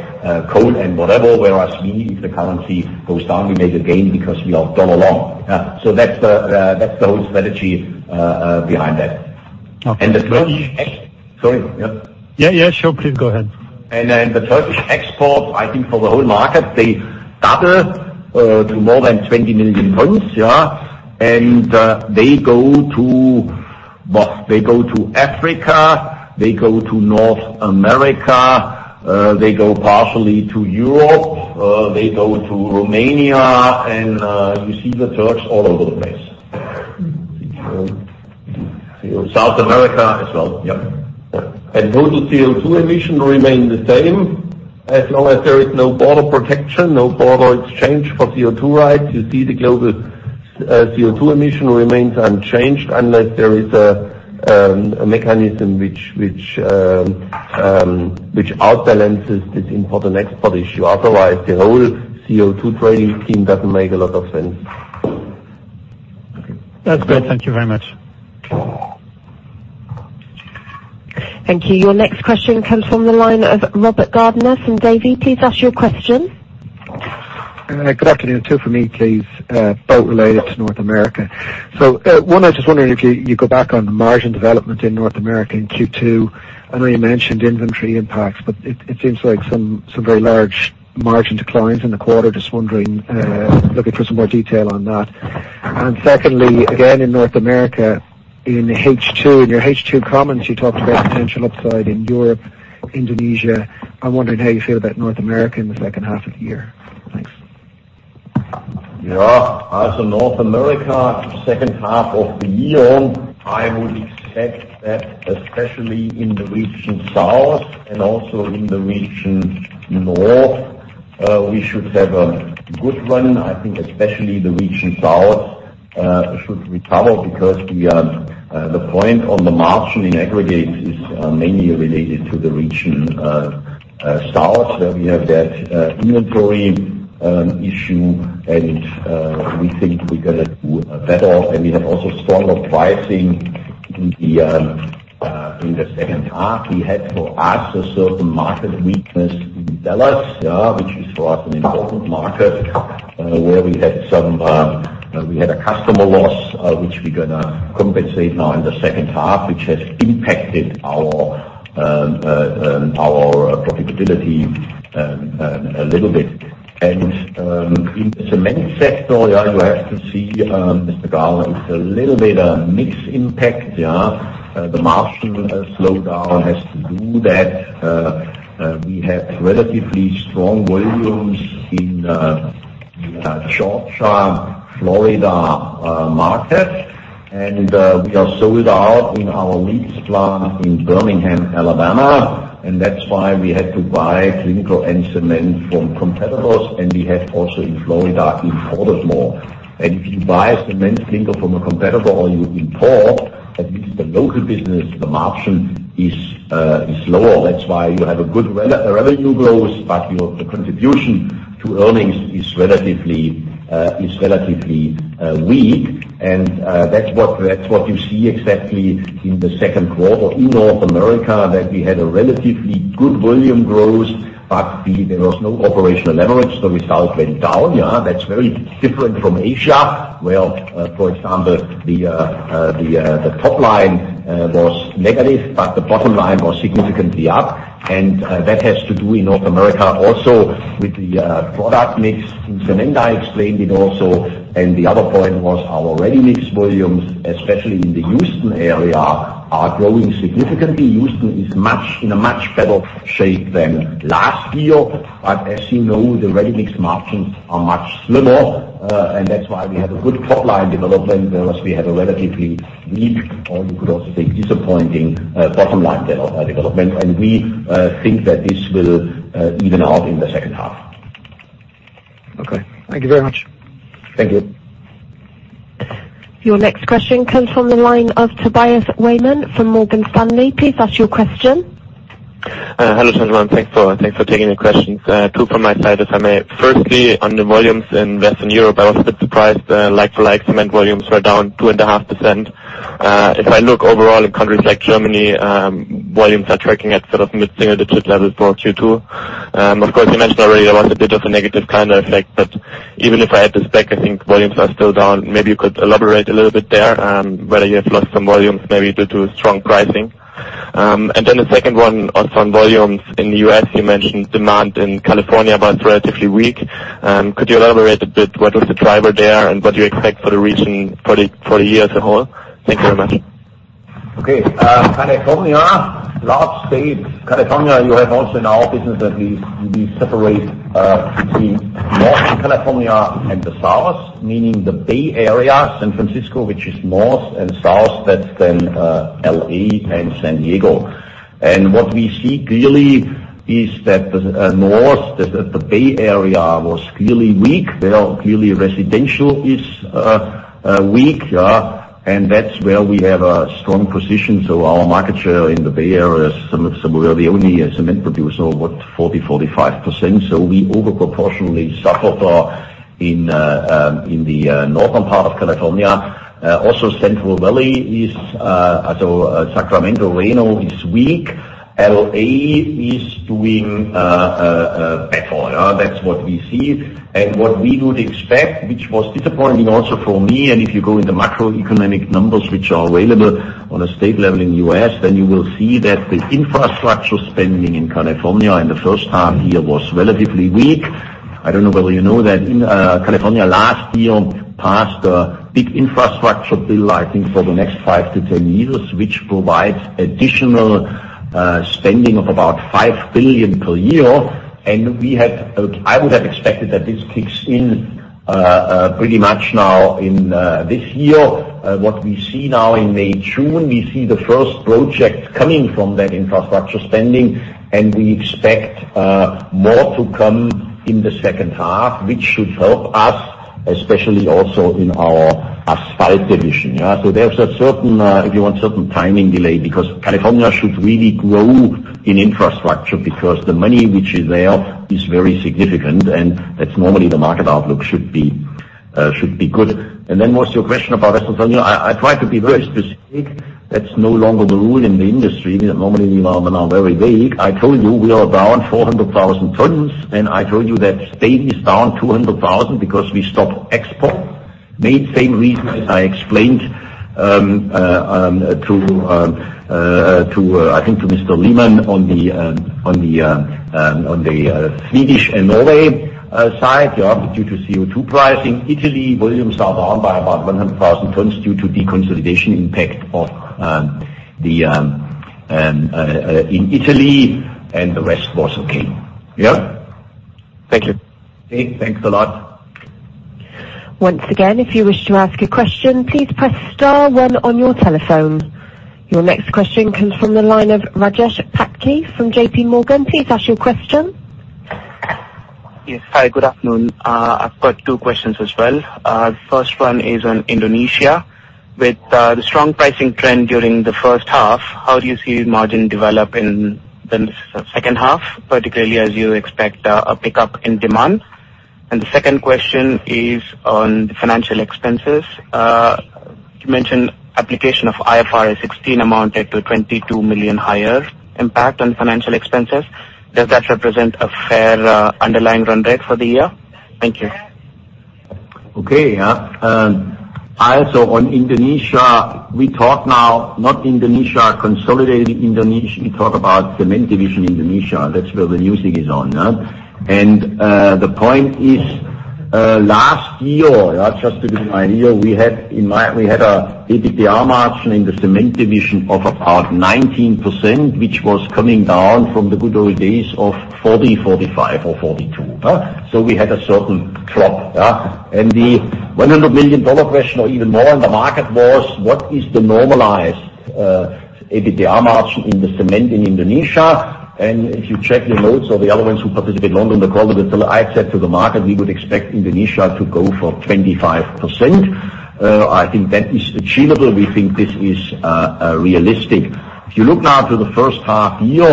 coal and whatever. Whereas we, if the currency goes down, we make a gain because we are dollar-long. That's the whole strategy behind that.
Okay.
The Turkish Sorry. Yeah?
Yeah. Sure, please go ahead.
The Turkish exports, I think for the whole market, they double to more than 20 million tons. Yeah. They go to Africa, they go to North America, they go partially to Europe, they go to Romania, and you see the Turks all over the place. South America as well.
Yep. Total CO2 emission will remain the same as long as there is no border protection, no border exchange for CO2 rights. You see the global CO2 emission remains unchanged unless there is a mechanism which outbalances this important export issue. Otherwise, the whole CO2 trading scheme doesn't make a lot of sense.
That's great. Thank you very much.
Thank you. Your next question comes from the line of Robert Gardiner from Davy. Please ask your question.
Good afternoon. Two from me, please. Both related to North America. One, I was just wondering if you go back on margin development in North America in Q2. I know you mentioned inventory impacts, but it seems like some very large margin declines in the quarter, just wondering, looking for some more detail on that. Secondly, again, in North America, in your H2 comments, you talked about potential upside in Europe, Indonesia. I'm wondering how you feel about North America in the second half of the year. Thanks.
Yeah. As for North America, the second half of the year, I would expect that, especially in the region South and also in the region North, we should have a good run. I think especially the region South should recover because the point on the margin in aggregate is mainly related to the region South, where we have that inventory issue and we think we're going to do better and we have also stronger pricing. In the second half, we had for us a certain market weakness in Dallas, which is for us an important market, where we had a customer loss, which we're going to compensate now in the second half, which has impacted our profitability a little bit. In the cement sector, you have to see, Mr. Gardiner, it's a little bit of a mixed impact. The margin slowdown has to do that. We have relatively strong volumes in the Georgia, Florida market. We are sold out in our Leeds plant in Birmingham, Alabama, and that's why we had to buy clinker and cement from competitors, and we had also in Florida imported more. If you buy cement clinker from a competitor or you import, at least the local business, the margin is lower. That's why you have a good revenue growth, but the contribution to earnings is relatively weak. That's what you see exactly in the second quarter in North America, that we had a relatively good volume growth, but there was no operational leverage. The result went down. That's very different from Asia, where, for example, the top line was negative, but the bottom line was significantly up. That has to do in North America also with the product mix in cement. I explained it also, and the other point was our ready mix volumes, especially in the Houston area, are growing significantly. Houston is in a much better shape than last year. As you know, the ready mix margins are much lower, and that's why we had a good top-line development versus we had a relatively weak, or you could also say disappointing, bottom-line development. We think that this will even out in the second half.
Okay. Thank you very much.
Thank you.
Your next question comes from the line of Tobias Weimann from Morgan Stanley. Please ask your question.
Hello, gentlemen. Thanks for taking the questions. Two from my side, if I may. Firstly, on the volumes in Western Europe, I was a bit surprised like for like cement volumes were down 2.5%. If I look overall in countries like Germany, volumes are tracking at sort of mid-single digit levels for Q2. Of course, you mentioned already there was a bit of a negative calendar effect, even if I had to spec, I think volumes are still down. Maybe you could elaborate a little bit there, whether you have lost some volumes, maybe due to strong pricing. Then the second one on volumes in the U.S., you mentioned demand in California was relatively weak. Could you elaborate a bit what was the driver there and what do you expect for the year as a whole? Thank you very much.
Okay. California, large state. California, you have also in our business that we separate between Northern California and the south, meaning the Bay Area, San Francisco, which is north, and south, that's L.A. and San Diego. What we see clearly is that the north, the Bay Area, was clearly weak. Clearly residential is weak. That's where we have a strong position. Our market share in the Bay Area, we're the only cement producer, about 40, 45%. We over proportionally suffer in the northern part of California. Also Central Valley, Sacramento, Reno is weak. L.A. is doing better. That's what we see. What we would expect, which was disappointing also for me, if you go in the macroeconomic numbers which are available on a state level in the U.S., you will see that the infrastructure spending in California in the first half year was relatively weak. I don't know whether you know that California last year passed a big infrastructure bill, I think for the next 5 to 10 years, which provides additional spending of about 5 billion per year. I would have expected that this kicks in pretty much now in this year. What we see now in May, June, we see the first projects coming from that infrastructure spending. We expect more to come in the second half, which should help us, especially also in our asphalt division. There's a certain, if you want, certain timing delay because California should really grow in infrastructure because the money which is there is very significant, and that's normally the market outlook should be good. What's your question about Western Europe? I try to be very specific. That's no longer the rule in the industry. Normally, we are very vague. I told you we are down 400,000 tons, and I told you that Spain is down 200,000 because we stopped export. Main same reasons I explained I think to Mr. Lehmann on the Swedish and Norway side, due to CO2 pricing. Italy, volumes are down by about 100,000 tons due to deconsolidation impact in Italy, and the rest was okay. Yeah?
Thank you.
Okay, thanks a lot.
Once again, if you wish to ask a question, please press star one on your telephone. Your next question comes from the line of Rajesh Patki from JPMorgan. Please ask your question.
Yes. Hi, good afternoon. I've got two questions as well. First one is on Indonesia. With the strong pricing trend during the first half, how do you see margin develop in the second half, particularly as you expect a pickup in demand? The second question is on the financial expenses. You mentioned application of IFRS 16 amounted to 22 million higher impact on financial expenses. Does that represent a fair underlying run rate for the year? Thank you.
Okay. On Indonesia, we talk now not Indonesia, consolidated Indonesia, we talk about cement division, Indonesia. That's where the music is on. The point is, last year, just to give you an idea, we had an EBITDA margin in the cement division of about 19%, which was coming down from the good old days of 40, 45 or 42. We had a certain drop. The EUR 100 million question or even more on the market was, what is the normalized EBITDA margin in the cement in Indonesia? If you check the notes or the elements who participate longer on the call, I said to the market, we would expect Indonesia to go for 25%. I think that is achievable. We think this is realistic. If you look now to the first half year,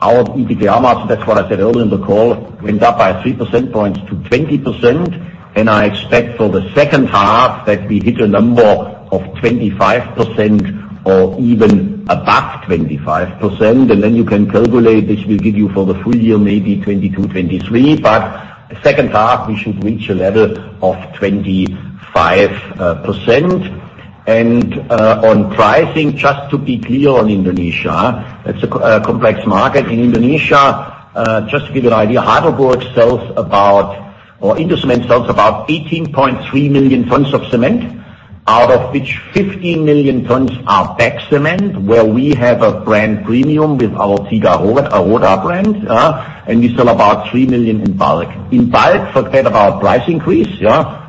our EBITDA margin, that's what I said earlier in the call, went up by 3% points to 20%, and I expect for the second half that we hit a number of 25% or even above 25%, then you can calculate, which will give you for the full year, maybe 22%, 23%, but the second half, we should reach a level of 25%. On pricing, just to be clear on Indonesia, it's a complex market. In Indonesia, just to give you an idea, Heidelberg sells about, or Indocement sells about 18.3 million tons of cement, out of which 15 million tons are bagged cement, where we have a brand premium with our Tiga Roda brand. We sell about 3 million in bulk. In bulk, forget about price increase.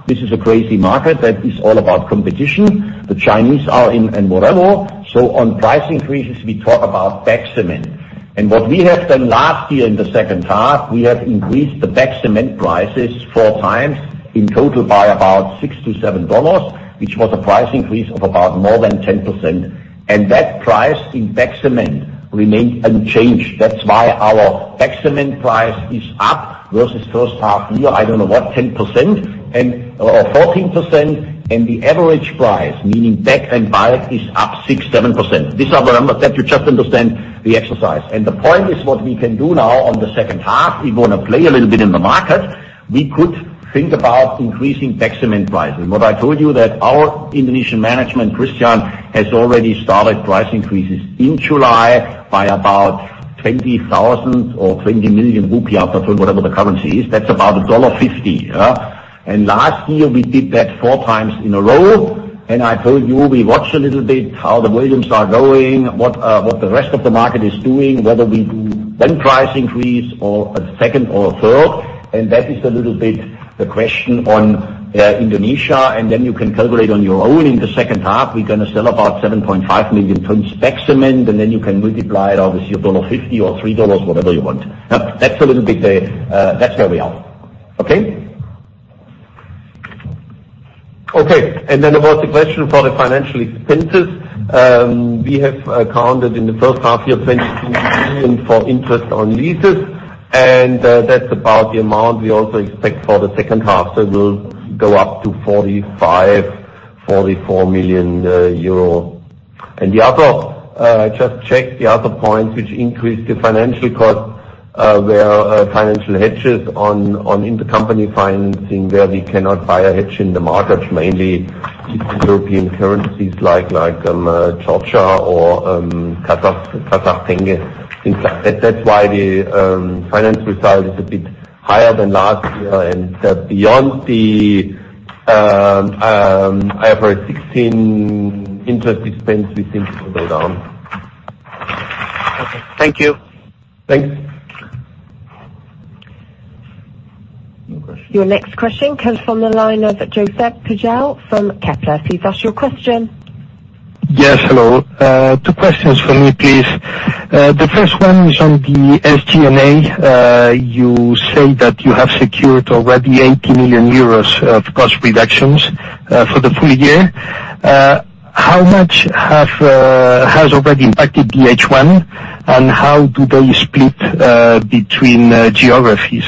This is a crazy market that is all about competition. The Chinese are in and whatever. On price increases, we talk about bagged cement. What we have done last year in the second half, we have increased the bagged cement prices 4x in total by about EUR 6-7, which was a price increase of about more than 10%. That price in bagged cement remained unchanged. That's why our bagged cement price is up versus first half year, I don't know what, 10% and, or 14%, and the average price, meaning bagged and bulk, is up 6%, 7%. These are the numbers that you just understand the exercise. The point is what we can do now on the second half, we want to play a little bit in the market. We could think about increasing bagged cement prices. What I told you that our Indonesian management, Christian, has already started price increases in July by about 20,000 or 20 million rupiah, whatever the currency is. That's about $1.50. Last year, we did that four times in a row. I told you, we watch a little bit how the volumes are going, what the rest of the market is doing, whether we do one price increase or a second or a third, that is a little bit the question on Indonesia, then you can calculate on your own in the second half. We're going to sell about 7.5 million tons bagged cement, then you can multiply it, obviously, $1.50 or $3, whatever you want. That's where we are.
Okay.
Okay, then there was the question for the financial expenses. We have counted in the first half year, 22 million for interest on leases, and that's about the amount we also expect for the second half. We'll go up to 45 million euro, 44 million euro. The other, just check the other points which increase the financial cost, where financial hedges on intercompany financing where we cannot buy a hedge in the markets, mainly Eastern European currencies like Georgia or Kazakhstani tenge. That's why the financial result is a bit higher than last year and beyond the IFRS 16 interest expense, we think it will go down.
Okay. Thank you.
Thanks. No question.
Your next question comes from the line of Josep Pujal, from Kepler. Please ask your question.
Yes, hello. Two questions from me, please. The first one is on the SG&A. You say that you have secured already 80 million euros of cost reductions for the full year. How much has already impacted the H1, and how do they split between geographies?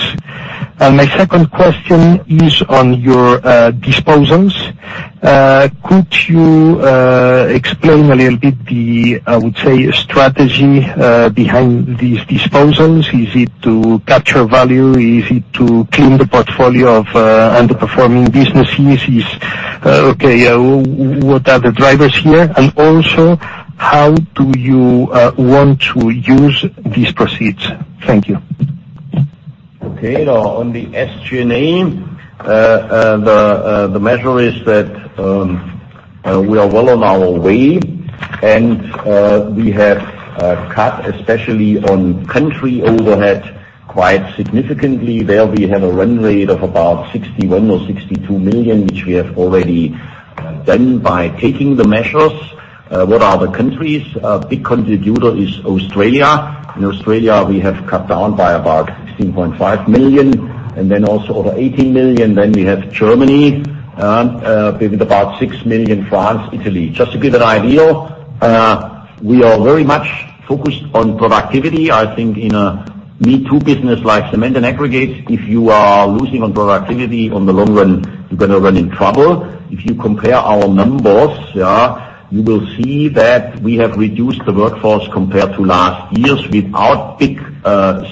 My second question is on your disposals. Could you explain a little bit the, I would say, strategy behind these disposals? Is it to capture value? Is it to clean the portfolio of underperforming businesses? What are the drivers here, and also how do you want to use these proceeds? Thank you.
On the SG&A, the measure is that we are well on our way, and we have cut, especially on country overhead, quite significantly. There we have a run rate of about 61 million or 62 million, which we have already done by taking the measures. What are the countries? A big contributor is Australia. In Australia, we have cut down by about 16.5 million, and then also over 18 million, then we have Germany, with about 6 million, France, Italy. Just to give an idea, we are very much focused on productivity. I think in a me-too business like cement and aggregates, if you are losing on productivity on the long run, you're going to run in trouble. If you compare our numbers, you will see that we have reduced the workforce compared to last year's without big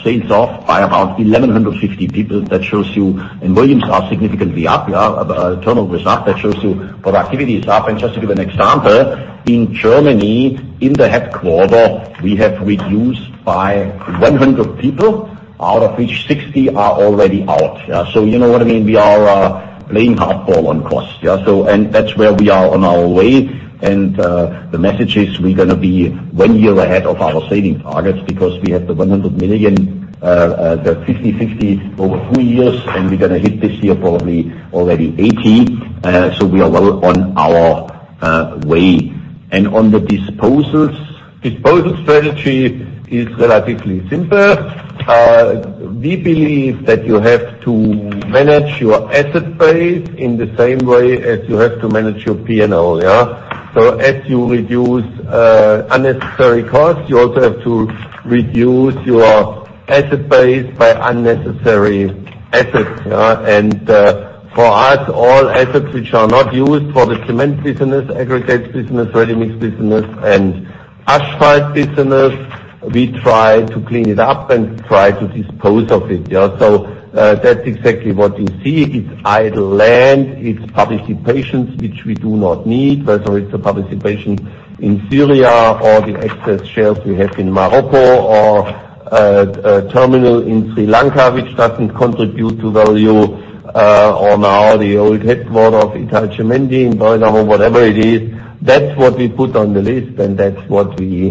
sales off by about 1,150 people. Volumes are significantly up, a ton of result that shows you productivity is up. Just to give an example, in Germany, in the headquarters, we have reduced by 100 people, out of which 60 are already out. You know what I mean. We are playing tough ball on cost. That's where we are on our way, the message is we're going to be one year ahead of our saving targets because we have the 100 million, the 50/50 over three years, and we're going to hit this year probably already 80. We are well on our way. On the disposals, disposal strategy is relatively simple. We believe that you have to manage your asset base in the same way as you have to manage your P&L. As you reduce unnecessary costs, you also have to reduce your asset base by unnecessary assets. For us, all assets which are not used for the cement business, aggregates business, ready-mix business, and asphalt business, we try to clean it up and try to dispose of it. That's exactly what you see. It's idle land, it's participations which we do not need, whether it's a participation in Syria or the excess shares we have in Morocco or a terminal in Sri Lanka, which doesn't contribute to value or now the old headquarter of Italcementi in Bologna or whatever it is. That's what we put on the list, and that's what we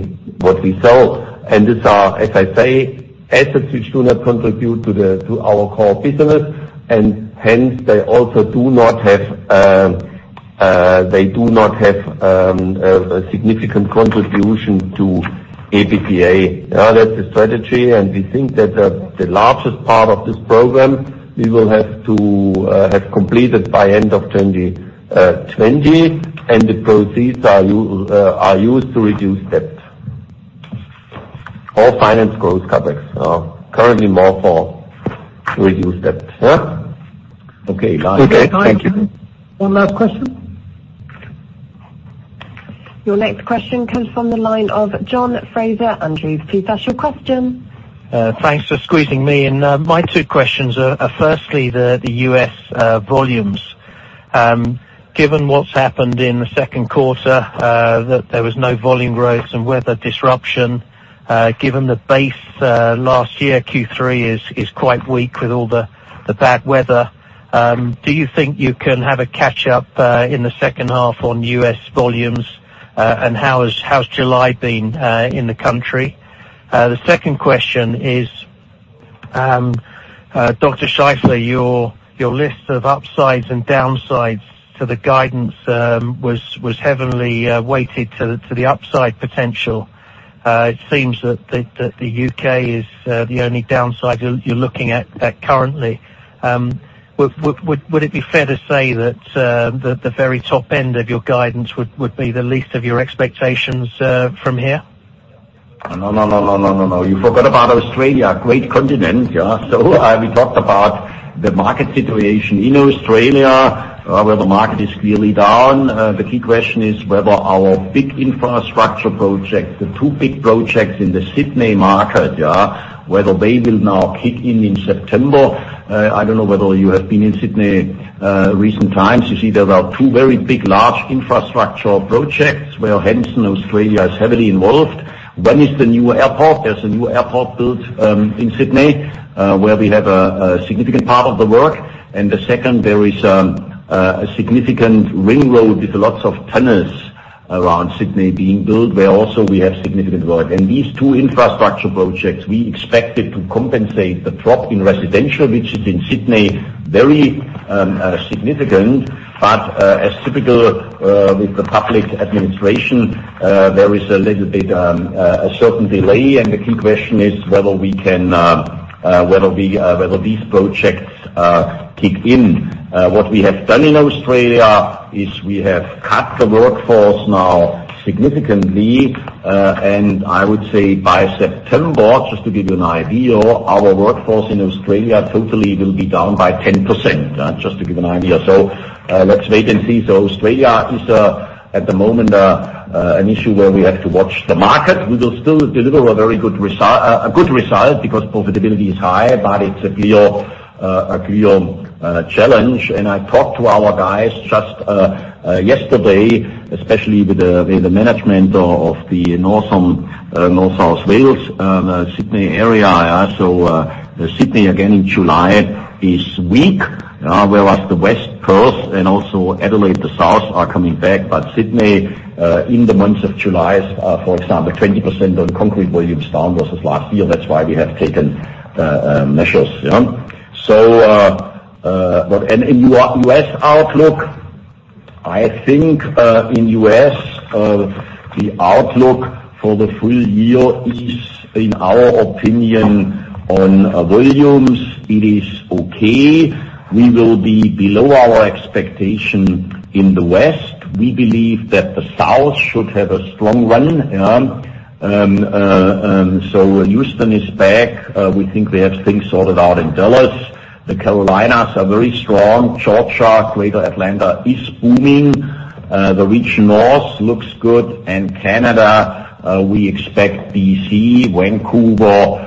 sell. These are, as I say, assets which do not contribute to our core business, and hence they also do not have a significant contribution to EBITDA. That's the strategy, and we think that the largest part of this program, we will have to have completed by end of 2020, and the proceeds are used to reduce debt. All finance growth covers, currently more for reduce debt. Yeah?
Okay, guys. Thank you.
One last question.
Your next question comes from the line of John Fraser-Andrews. Please ask your question.
Thanks for squeezing me in. My two questions are firstly, the U.S. volumes. Given what's happened in the second quarter, that there was no volume growth and weather disruption, given the base last year, Q3 is quite weak with all the bad weather. Do you think you can have a catch-up in the second half on U.S. volumes? How's July been in the country? The second question is, Dr. Scheifele, your list of upsides and downsides to the guidance was heavily weighted to the upside potential. It seems that the U.K. is the only downside you're looking at currently. Would it be fair to say that the very top end of your guidance would be the least of your expectations from here?
No. You forgot about Australia, great continent. We talked about the market situation in Australia, where the market is clearly down. The key question is whether our big infrastructure project, the two big projects in the Sydney market, whether they will now kick in in September. I don't know whether you have been in Sydney recent times. You see there are two very big, large infrastructure projects where HeidelbergCement Australia is heavily involved. One is the new airport. There is a new airport built in Sydney, where we have a significant part of the work. The second, there is a significant ring road with lots of tunnels around Sydney being built, where also we have significant work. These two infrastructure projects, we expect it to compensate the drop in residential, which is in Sydney, very significant. As typical with the public administration, there is a little bit a certain delay, and the key question is whether these projects kick in. What we have done in Australia is we have cut the workforce now significantly. I would say by September, just to give you an idea, our workforce in Australia totally will be down by 10%, just to give an idea. Let's wait and see. Australia is, at the moment, an issue where we have to watch the market. We will still deliver a good result because profitability is high, but it's a clear challenge. I talked to our guys just yesterday, especially with the management of the New South Wales, Sydney area. Sydney, again, in July is weak, whereas the West Perth and also Adelaide, the south are coming back, but Sydney, in the months of July, for example, 20% on concrete volumes down versus last year. That's why we have taken measures. U.S. outlook, I think in U.S., the outlook for the full year is, in our opinion, on volumes, it is okay. We will be below our expectation in the West. We believe that the South should have a strong run. Houston is back. We think we have things sorted out in Dallas. The Carolinas are very strong. Georgia, Greater Atlanta is booming. The region North looks good. Canada, we expect BC, Vancouver,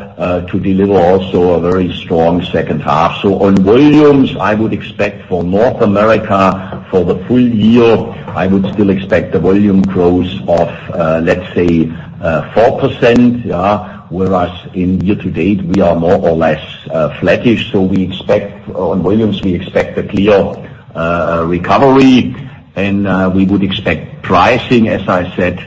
to deliver also a very strong second half. On volumes, I would expect for North America, for the full year, I would still expect a volume growth of, let's say, 4%, whereas in year to date, we are more or less flattish. On volumes, we expect a clear recovery, and we would expect pricing, as I said,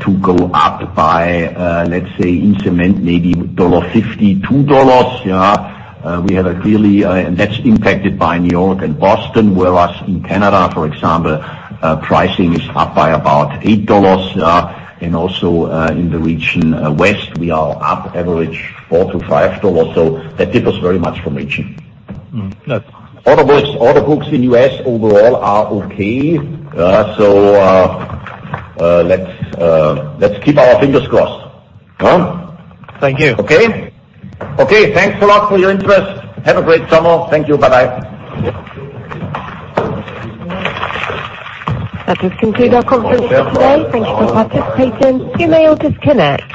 to go up by, let's say, in cement, maybe EUR 1.50, EUR 2.00. That's impacted by New York and Boston, whereas in Canada, for example, pricing is up by about EUR 8.00. Also in the region West, we are up average EUR 4.00-EUR 5.00. That differs very much from region. Order books in U.S. overall are okay. Let's keep our fingers crossed.
Thank you.
Okay? Okay. Thanks a lot for your interest. Have a great summer. Thank you. Bye-bye.
That does conclude our conference call today. Thank Thank you for participating. You may all disconnect.